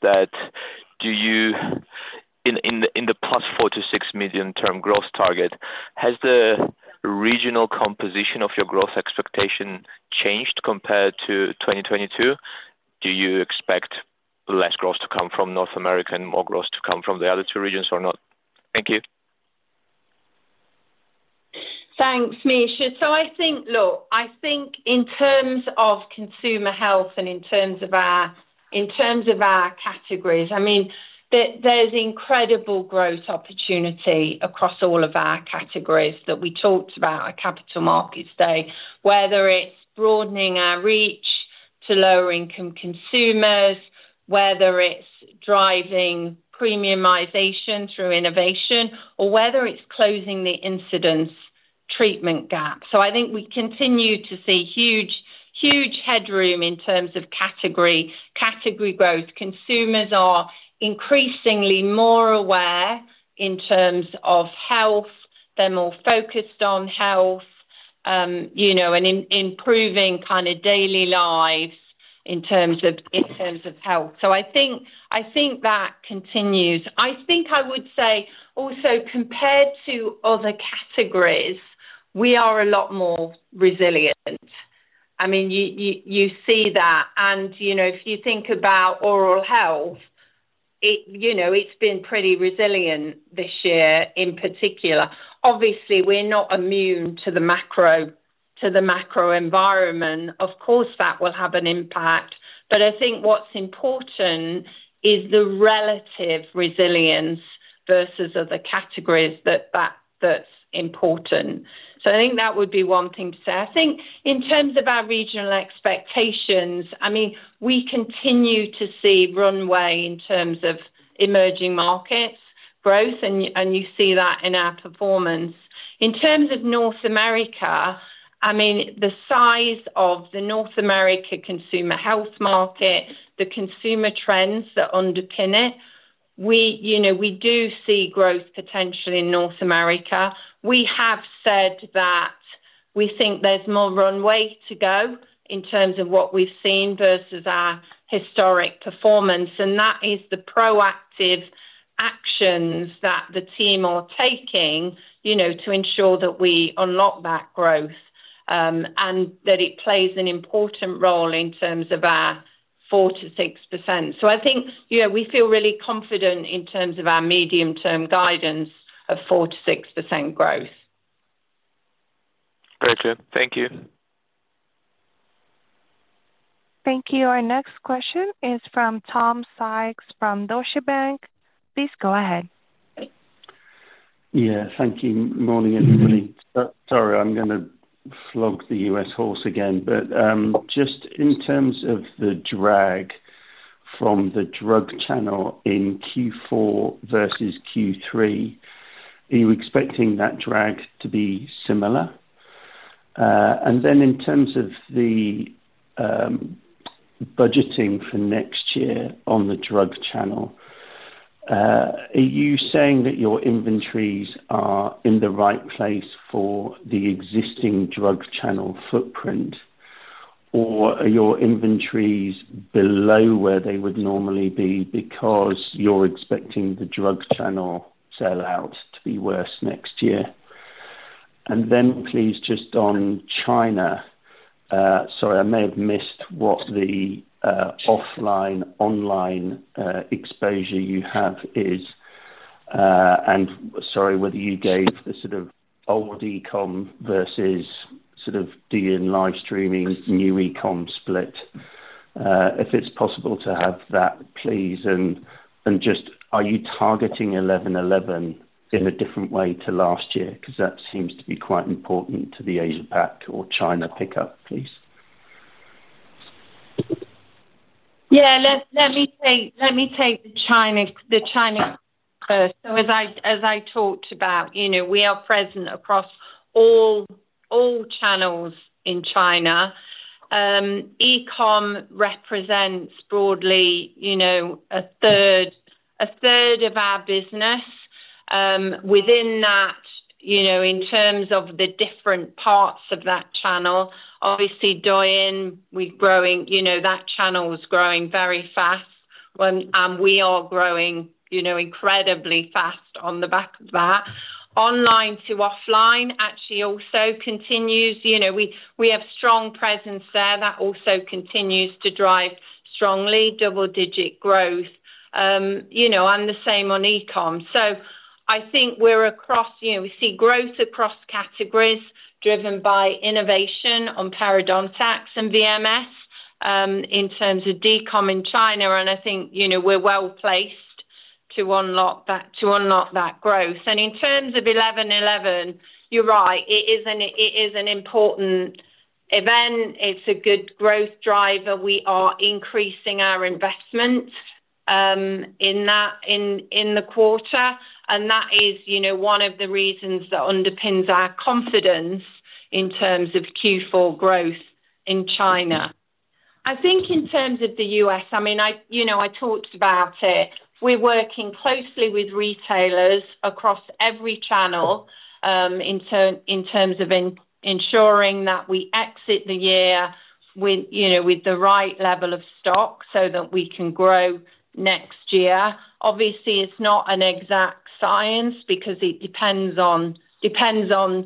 in the plus $4 to $6 million-term growth target, has the regional composition of your growth expectation changed compared to 2022? Do you expect less growth to come from North America and more growth to come from the other two regions or not? Thank you. Thanks, Mitch. I think in terms of consumer health and in terms of our categories, there's incredible growth opportunity across all of our categories that we talked about at Capital Markets Day, whether it's broadening our reach to lower-income consumers, driving premiumization through innovation, or closing the incidence treatment gap. I think we continue to see huge headroom in terms of category growth. Consumers are increasingly more aware in terms of health. They're more focused on health and improving kind of daily lives in terms of health. I think that continues. I would say, also, compared to other categories, we are a lot more resilient. You see that. If you think about oral health, it's been pretty resilient this year in particular. Obviously, we're not immune to the macro environment. Of course, that will have an impact. What's important is the relative resilience versus other categories. That is important. I think that would be one thing to say. In terms of our regional expectations, we continue to see runway in terms of emerging markets growth, and you see that in our performance. In terms of North America, the size of the North America consumer health market, the consumer trends that underpin it, we do see growth potential in North America. We have said that we think there's more runway to go in terms of what we've seen versus our historic performance. That is the proactive actions that the team are taking to ensure that we unlock that growth and that it plays an important role in terms of our 4 to 6%. I think we feel really confident in terms of our medium-term guidance of 4 to 6% growth. Very clear. Thank you. Thank you. Our next question is from Tom Sykes from Deutsche Bank. Please go ahead. Thank you. Morning, everybody. Sorry, I'm going to flog the US horse again. Just in terms of the drag from the drug channel in Q4 versus Q3, are you expecting that drag to be similar? In terms of the budgeting for next year on the drug channel, are you saying that your inventories are in the right place for the existing drug channel footprint, or are your inventories below where they would normally be because you're expecting the drug channel sell-out to be worse next year? Please, just on China, sorry, I may have missed what the offline/online exposure you have is. Sorry, whether you gave the sort of old ECOM versus sort of DN live streaming, new ECOM split, if it's possible to have that, please. Are you targeting 11/11 in a different way to last year? That seems to be quite important to the Asia-Pacific or China pickup, please. Yeah. Let me take China first. As I talked about, we are present across all channels in China. ECOM represents broadly a third of our business. Within that, in terms of the different parts of that channel, obviously, Douyin, we're growing, that channel is growing very fast, and we are growing incredibly fast on the back of that. Online to offline actually also continues. We have a strong presence there. That also continues to drive strongly double-digit growth, and the same on ECOM. I think we see growth across categories driven by innovation on Parodontax and VMS in terms of DCOM in China. I think we're well placed to unlock that growth. In terms of 11/11, you're right. It is an important event. It's a good growth driver. We are increasing our investment in that in the quarter, and that is one of the reasons that underpins our confidence in terms of Q4 growth in China. I think in terms of the U.S., I talked about it. We're working closely with retailers across every channel in terms of ensuring that we exit the year with the right level of stock so that we can grow next year. Obviously, it's not an exact science because it depends on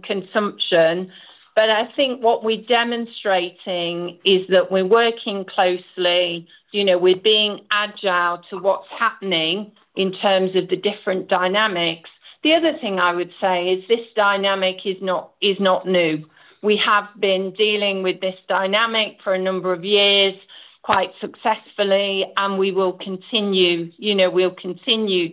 consumption. I think what we're demonstrating is that we're working closely. We're being agile to what's happening in terms of the different dynamics. The other thing I would say is this dynamic is not new. We have been dealing with this dynamic for a number of years quite successfully, and we will continue, we'll continue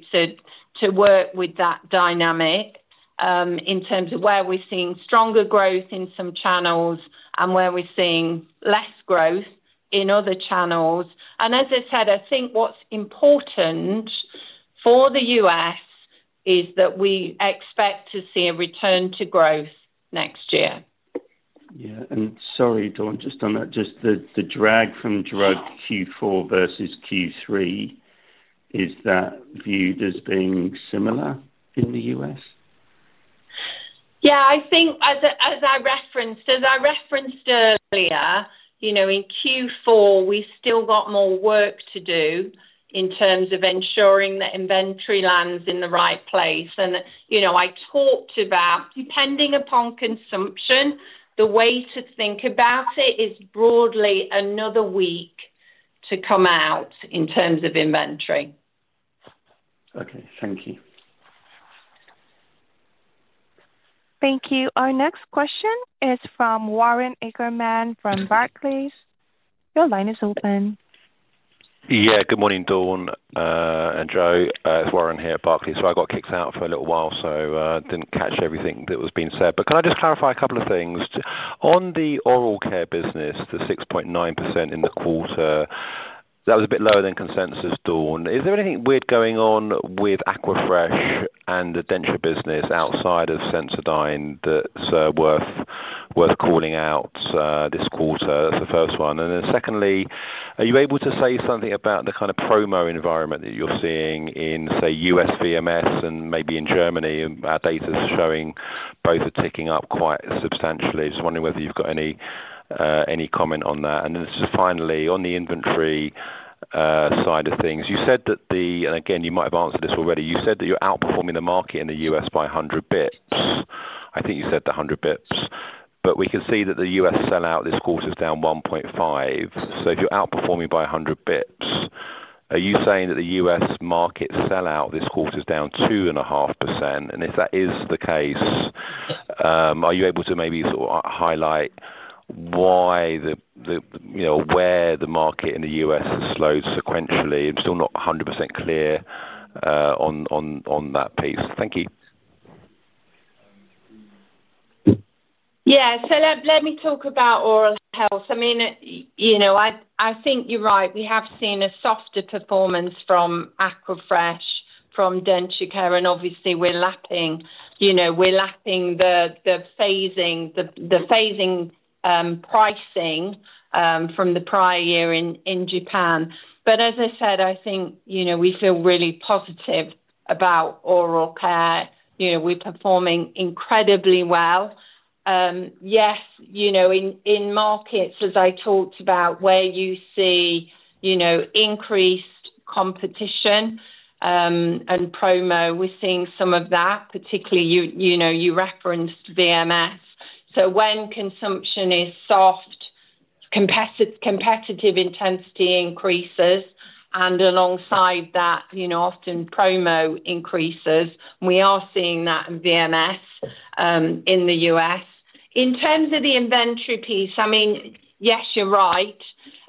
to work with that dynamic in terms of where we're seeing stronger growth in some channels and where we're seeing less growth in other channels. As I said, I think what's important for the U.S. is that we expect to see a return to growth next year. Sorry, Dawn, just on that, just the drag from Q4 versus Q3, is that viewed as being similar in the US? Yeah. I think, as I referenced earlier, in Q4, we still got more work to do in terms of ensuring that inventory lands in the right place. I talked about, depending upon consumption, the way to think about it is broadly another week to come out in terms of inventory. Okay, thank you. Thank you. Our next question is from Warren Ackerman from Barclays. Your line is open. Yeah. Good morning, Dawn and Jo. It's Warren here at Barclays. I got kicked out for a little while, so I didn't catch everything that was being said. Can I just clarify a couple of things? On the oral care business, the 6.9% in the quarter, that was a bit lower than consensus, Dawn. Is there anything weird going on with Aquafresh and the denture business outside of Sensodyne that's worth calling out this quarter? That's the first one. Secondly, are you able to say something about the kind of promo environment that you're seeing in, say, U.S. VMS and maybe in Germany? Our data is showing both are ticking up quite substantially. I'm just wondering whether you've got any comment on that. Finally, on the inventory side of things, you said that the, and again, you might have answered this already, you said that you're outperforming the market in the U.S. by 100 bps. I think you said the 100 bps. We can see that the U.S. sell-out this quarter is down 1.5%. If you're outperforming by 100 bps, are you saying that the U.S. market sell-out this quarter is down 2.5%? If that is the case, are you able to maybe sort of highlight why the, you know, where the market in the U.S. has slowed sequentially? I'm still not 100% clear on that piece. Thank you. Yeah. Let me talk about oral health. I think you're right. We have seen a softer performance from Aquafresh, from DentureCare, and obviously, we're lapping the phasing pricing from the prior year in Japan. As I said, I think we feel really positive about oral care. We're performing incredibly well. Yes, in markets, as I talked about, where you see increased competition and promo, we're seeing some of that, particularly, you referenced VMS. When consumption is soft, competitive intensity increases, and alongside that, often promo increases. We are seeing that in VMS in the U.S. In terms of the inventory piece, yes, you're right.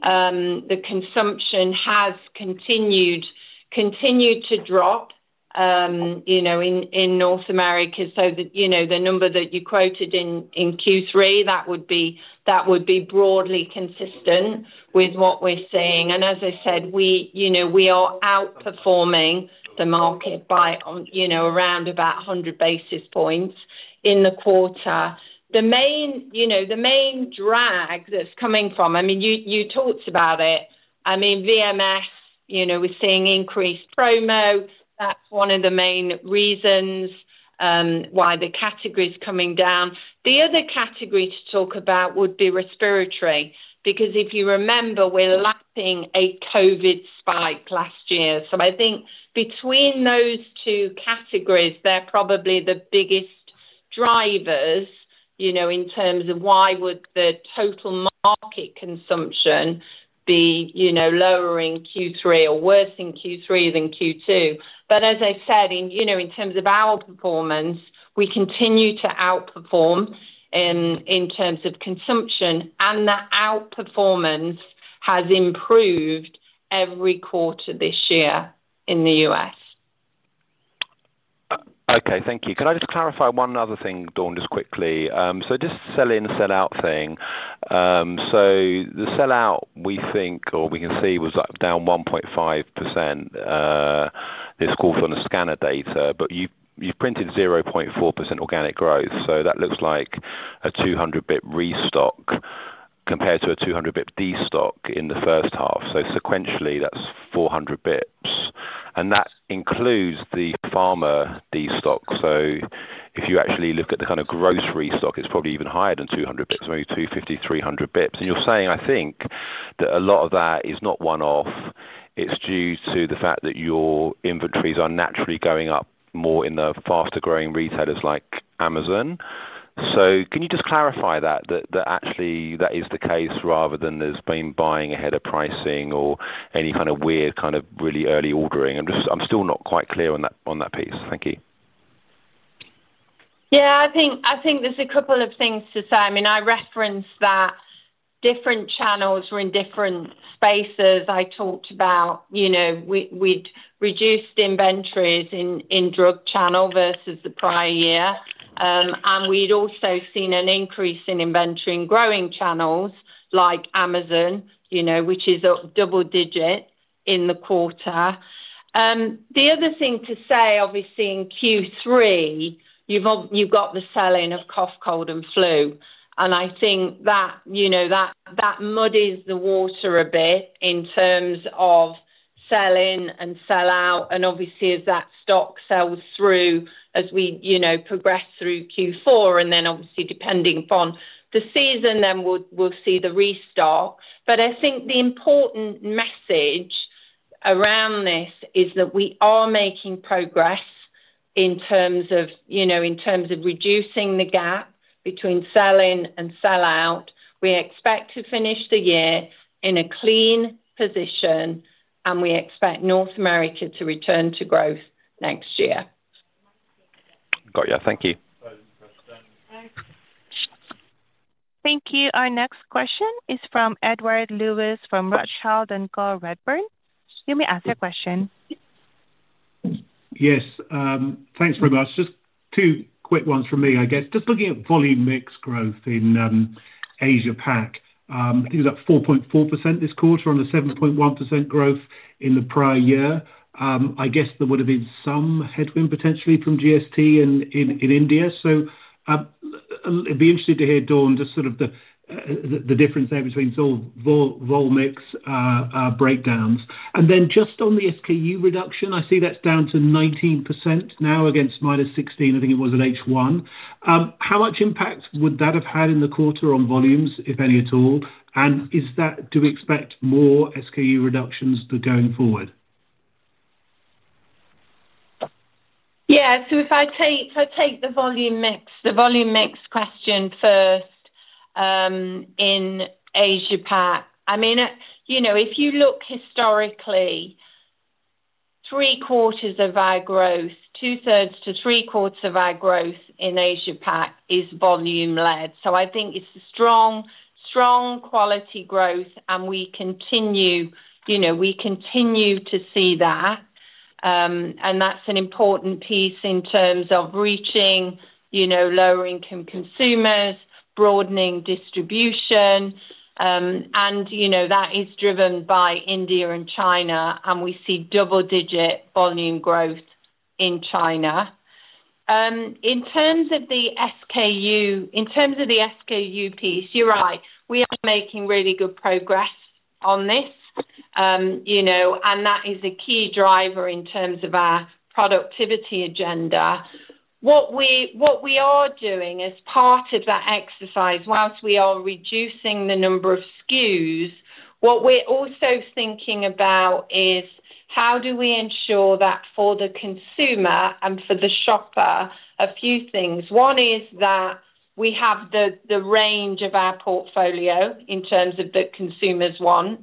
The consumption has continued to drop in North America. The number that you quoted in Q3 would be broadly consistent with what we're seeing. As I said, we are outperforming the market by around about 100 basis points in the quarter. The main drag that's coming from, you talked about it, VMS, we're seeing increased promo. That's one of the main reasons why the category is coming down. The other category to talk about would be respiratory, because if you remember, we're lapping a COVID spike last year. I think between those two categories, they're probably the biggest drivers in terms of why would the total market consumption be lower in Q3 or worse in Q3 than Q2. As I said, in terms of our performance, we continue to outperform in terms of consumption, and that outperformance has improved every quarter this year in the U.S. Okay. Thank you. Can I just clarify one other thing, Dawn, just quickly? Just the sell-in, sell-out thing. The sell-out, we think, or we can see, was down 1.5% this quarter on the scanner data. You've printed 0.4% organic growth. That looks like a 200 bps restock compared to a 200 bps destock in the first half. Sequentially, that's 400 bps. That includes the pharma destock. If you actually look at the kind of gross restock, it's probably even higher than 200 bps, maybe 250, 300 bps. You're saying, I think, that a lot of that is not one-off. It's due to the fact that your inventories are naturally going up more in the faster-growing retailers like Amazon. Can you just clarify that, that actually that is the case rather than there's been buying ahead of pricing or any kind of weird kind of really early ordering? I'm just, I'm still not quite clear on that piece. Thank you. I think there's a couple of things to say. I referenced that different channels were in different spaces. I talked about, you know, we'd reduced inventories in drug channel versus the prior year, and we'd also seen an increase in inventory in growing channels like Amazon, which is up double digit in the quarter. The other thing to say, obviously, in Q3, you've got the sell-in of cough, cold, and flu. I think that muddies the water a bit in terms of sell-in and sell-out. Obviously, as that stock sells through, as we progress through Q4. Obviously, depending upon the season, we'll see the restock. I think the important message around this is that we are making progress in terms of reducing the gap between sell-in and sell-out. We expect to finish the year in a clean position, and we expect North America to return to growth next year. Got you. Thank you. Thank you. Our next question is from Edward Lewis from Rothschild and Co Redburn. You may ask your question. Yes. Thanks very much. Just two quick ones from me, I guess. Just looking at volume mix growth in Asia-Pacific, I think it was up 4.4% this quarter, on the 7.1% growth in the prior year. I guess there would have been some headwind potentially from GST in India. It would be interesting to hear, Dawn, just the difference there between volume mix breakdowns. Just on the SKU reduction, I see that's down to 19% now against minus 16%, I think it was at H1. How much impact would that have had in the quarter on volumes, if any at all? Do we expect more SKU reductions going forward? Yeah. If I take the volume mix, the mix question first in Asia-Pacific, if you look historically, three-quarters of our growth, two-thirds to three-quarters of our growth in Asia-Pacific is volume-led. I think it's a strong, strong quality growth, and we continue to see that. That's an important piece in terms of reaching lower-income consumers, broadening distribution. That is driven by India and China, and we see double-digit volume growth in China. In terms of the SKU, in terms of the SKU piece, you're right. We are making really good progress on this, and that is a key driver in terms of our productivity agenda. What we are doing as part of that exercise, whilst we are reducing the number of SKUs, what we're also thinking about is how do we ensure that for the consumer and for the shopper, a few things. One is that we have the range of our portfolio in terms of what the consumer wants.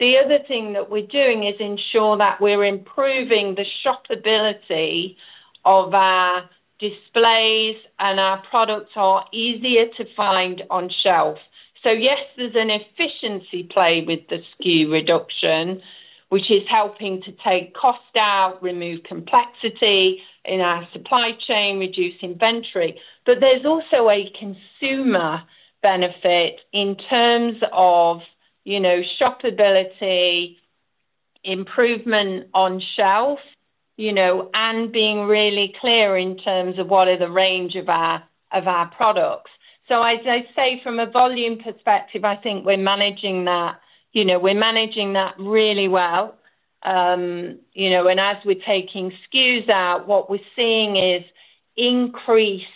The other thing that we're doing is ensure that we're improving the shoppability of our displays, and our products are easier to find on shelf. Yes, there's an efficiency play with the SKU reduction, which is helping to take cost out, remove complexity in our supply chain, reduce inventory. There's also a consumer benefit in terms of shoppability, improvement on shelf, and being really clear in terms of what are the range of our products. As I say, from a volume perspective, I think we're managing that, we're managing that really well. As we're taking SKUs out, what we're seeing is increased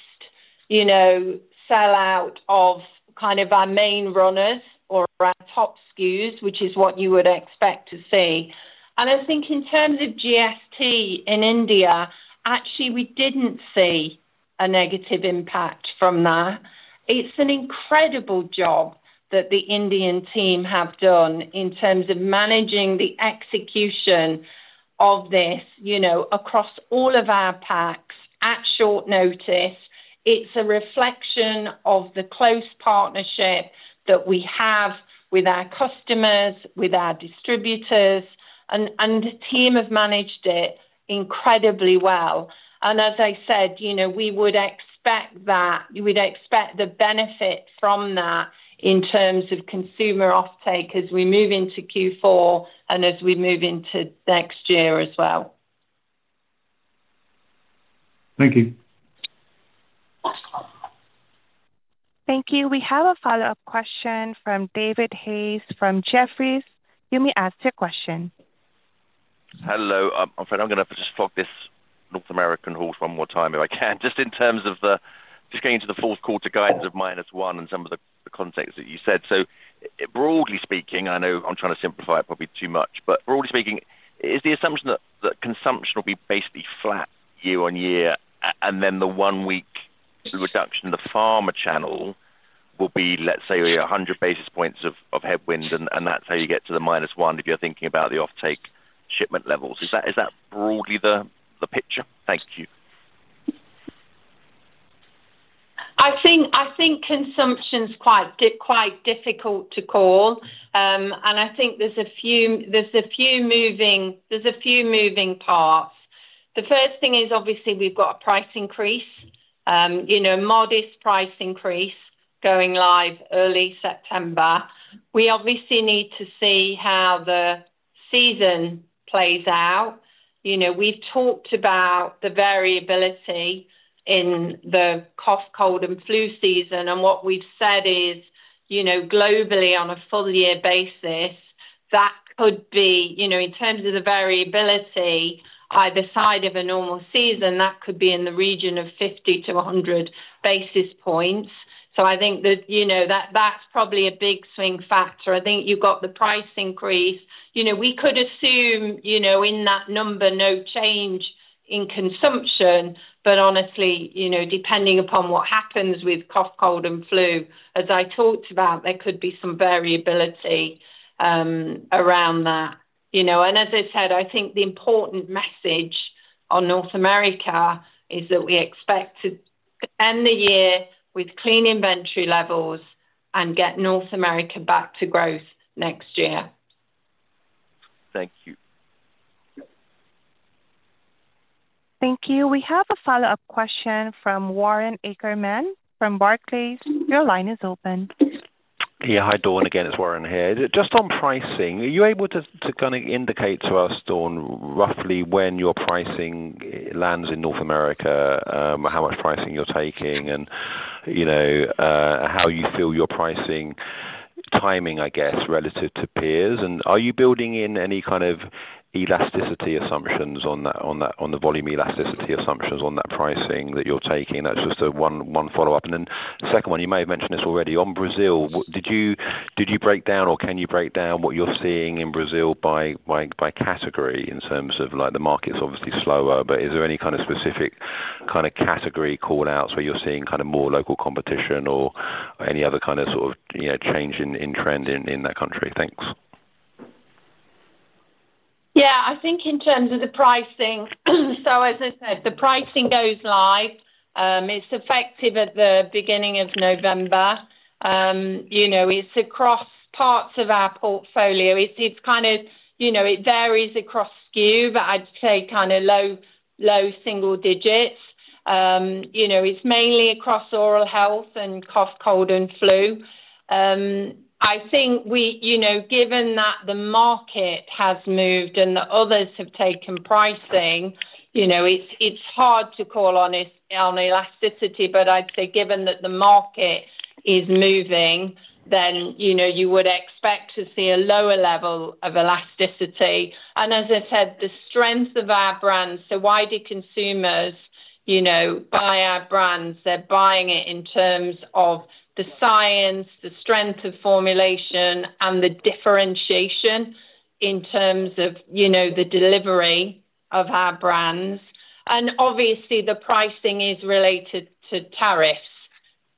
sell-out of kind of our main runners or our top SKUs, which is what you would expect to see. I think in terms of GST in India, actually, we didn't see a negative impact from that. It's an incredible job that the Indian team have done in terms of managing the execution of this across all of our packs at short notice. It's a reflection of the close partnership that we have with our customers, with our distributors, and the team have managed it incredibly well. As I said, you would expect the benefit from that in terms of consumer offtake as we move into Q4 and as we move into next year as well. Thank you. Thank you. We have a follow-up question from David Hayes from Jefferies. You may ask your question. Hello. I'm afraid I'm going to have to just flog this North American horse one more time if I can, just in terms of just getting into the fourth quarter guidance of minus 1% and some of the context that you said. Broadly speaking, and I know I'm trying to simplify it probably too much, but broadly speaking, is the assumption that consumption will be basically flat year on year, and then the one-week reduction in the pharma channel will be, let's say, 100 basis points of headwind, and that's how you get to the minus 1% if you're thinking about the offtake shipment levels? Is that broadly the picture? Thank you. I think consumption's quite difficult to call. I think there's a few moving parts. The first thing is, obviously, we've got a price increase, a modest price increase going live early September. We obviously need to see how the season plays out. We've talked about the variability in the cough, cold, and flu season, and what we've said is, globally, on a full-year basis, that could be, in terms of the variability, either side of a normal season, that could be in the region of 50 to 100 basis points. I think that's probably a big swing factor. I think you've got the price increase. We could assume, in that number, no change in consumption, but honestly, depending upon what happens with cough, cold, and flu, as I talked about, there could be some variability around that. As I said, I think the important message on North America is that we expect to end the year with clean inventory levels and get North America back to growth next year. Thank you. Thank you. We have a follow-up question from Warren Ackerman from Barclays. Your line is open. Yeah. Hi, Dawn. Again, it's Warren here. Just on pricing, are you able to kind of indicate to us, Dawn, roughly when your pricing lands in North America, how much pricing you're taking, and you know, how you feel your pricing timing, I guess, relative to peers? Are you building in any kind of elasticity assumptions on the volume elasticity assumptions on that pricing that you're taking? That's just a one follow-up. The second one, you may have mentioned this already. On Brazil, did you break down or can you break down what you're seeing in Brazil by category in terms of like the market's obviously slower, but is there any kind of specific kind of category callouts where you're seeing kind of more local competition or any other kind of sort of change in trend in that country? Thanks. Yeah. I think in terms of the pricing, as I said, the pricing goes live. It's effective at the beginning of November. It's across parts of our portfolio. It varies across SKU, but I'd say low, low single digits. It's mainly across oral health and cough, cold, and flu. I think, given that the market has moved and the others have taken pricing, it's hard to call on elasticity, but I'd say given that the market is moving, you would expect to see a lower level of elasticity. As I said, the strength of our brand, why do consumers buy our brands? They're buying it in terms of the science, the strength of formulation, and the differentiation in terms of the delivery of our brands. Obviously, the pricing is related to tariffs.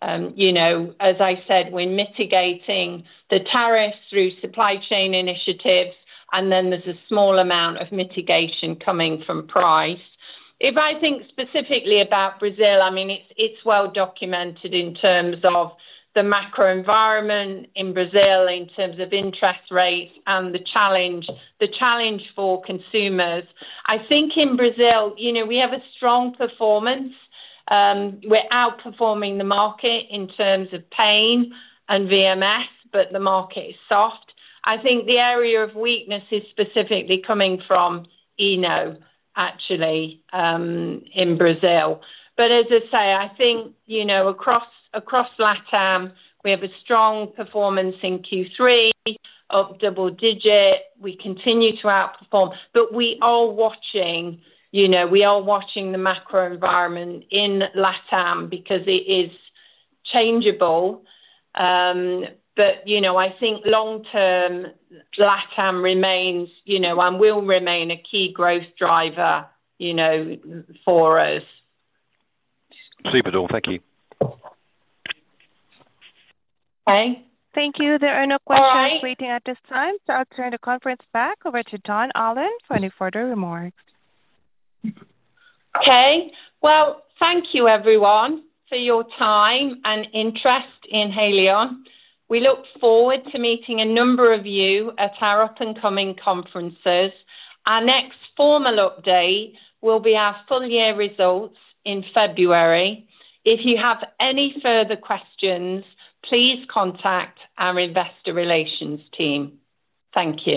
As I said, we're mitigating the tariffs through supply chain initiatives, and then there's a small amount of mitigation coming from price. If I think specifically about Brazil, it's well-documented in terms of the macro environment in Brazil in terms of interest rates and the challenge for consumers. I think in Brazil, we have a strong performance. We're outperforming the market in terms of pain and VMS, but the market is soft. The area of weakness is specifically coming from ENO, actually, in Brazil. As I say, across LATAM, we have a strong performance in Q3 of double digit. We continue to outperform. We are watching the macro environment in LATAM because it is changeable. I think long-term, LATAM remains, and will remain, a key growth driver for us. Super, Dawn. Thank you. Okay. Thank you. There are no questions waiting at this time. I'll turn the conference back over to Dawn Allen for any further remarks. Thank you, everyone, for your time and interest in Haleon. We look forward to meeting a number of you at our up-and-coming conferences. Our next formal update will be our full-year results in February. If you have any further questions, please contact our Investor Relations team. Thank you.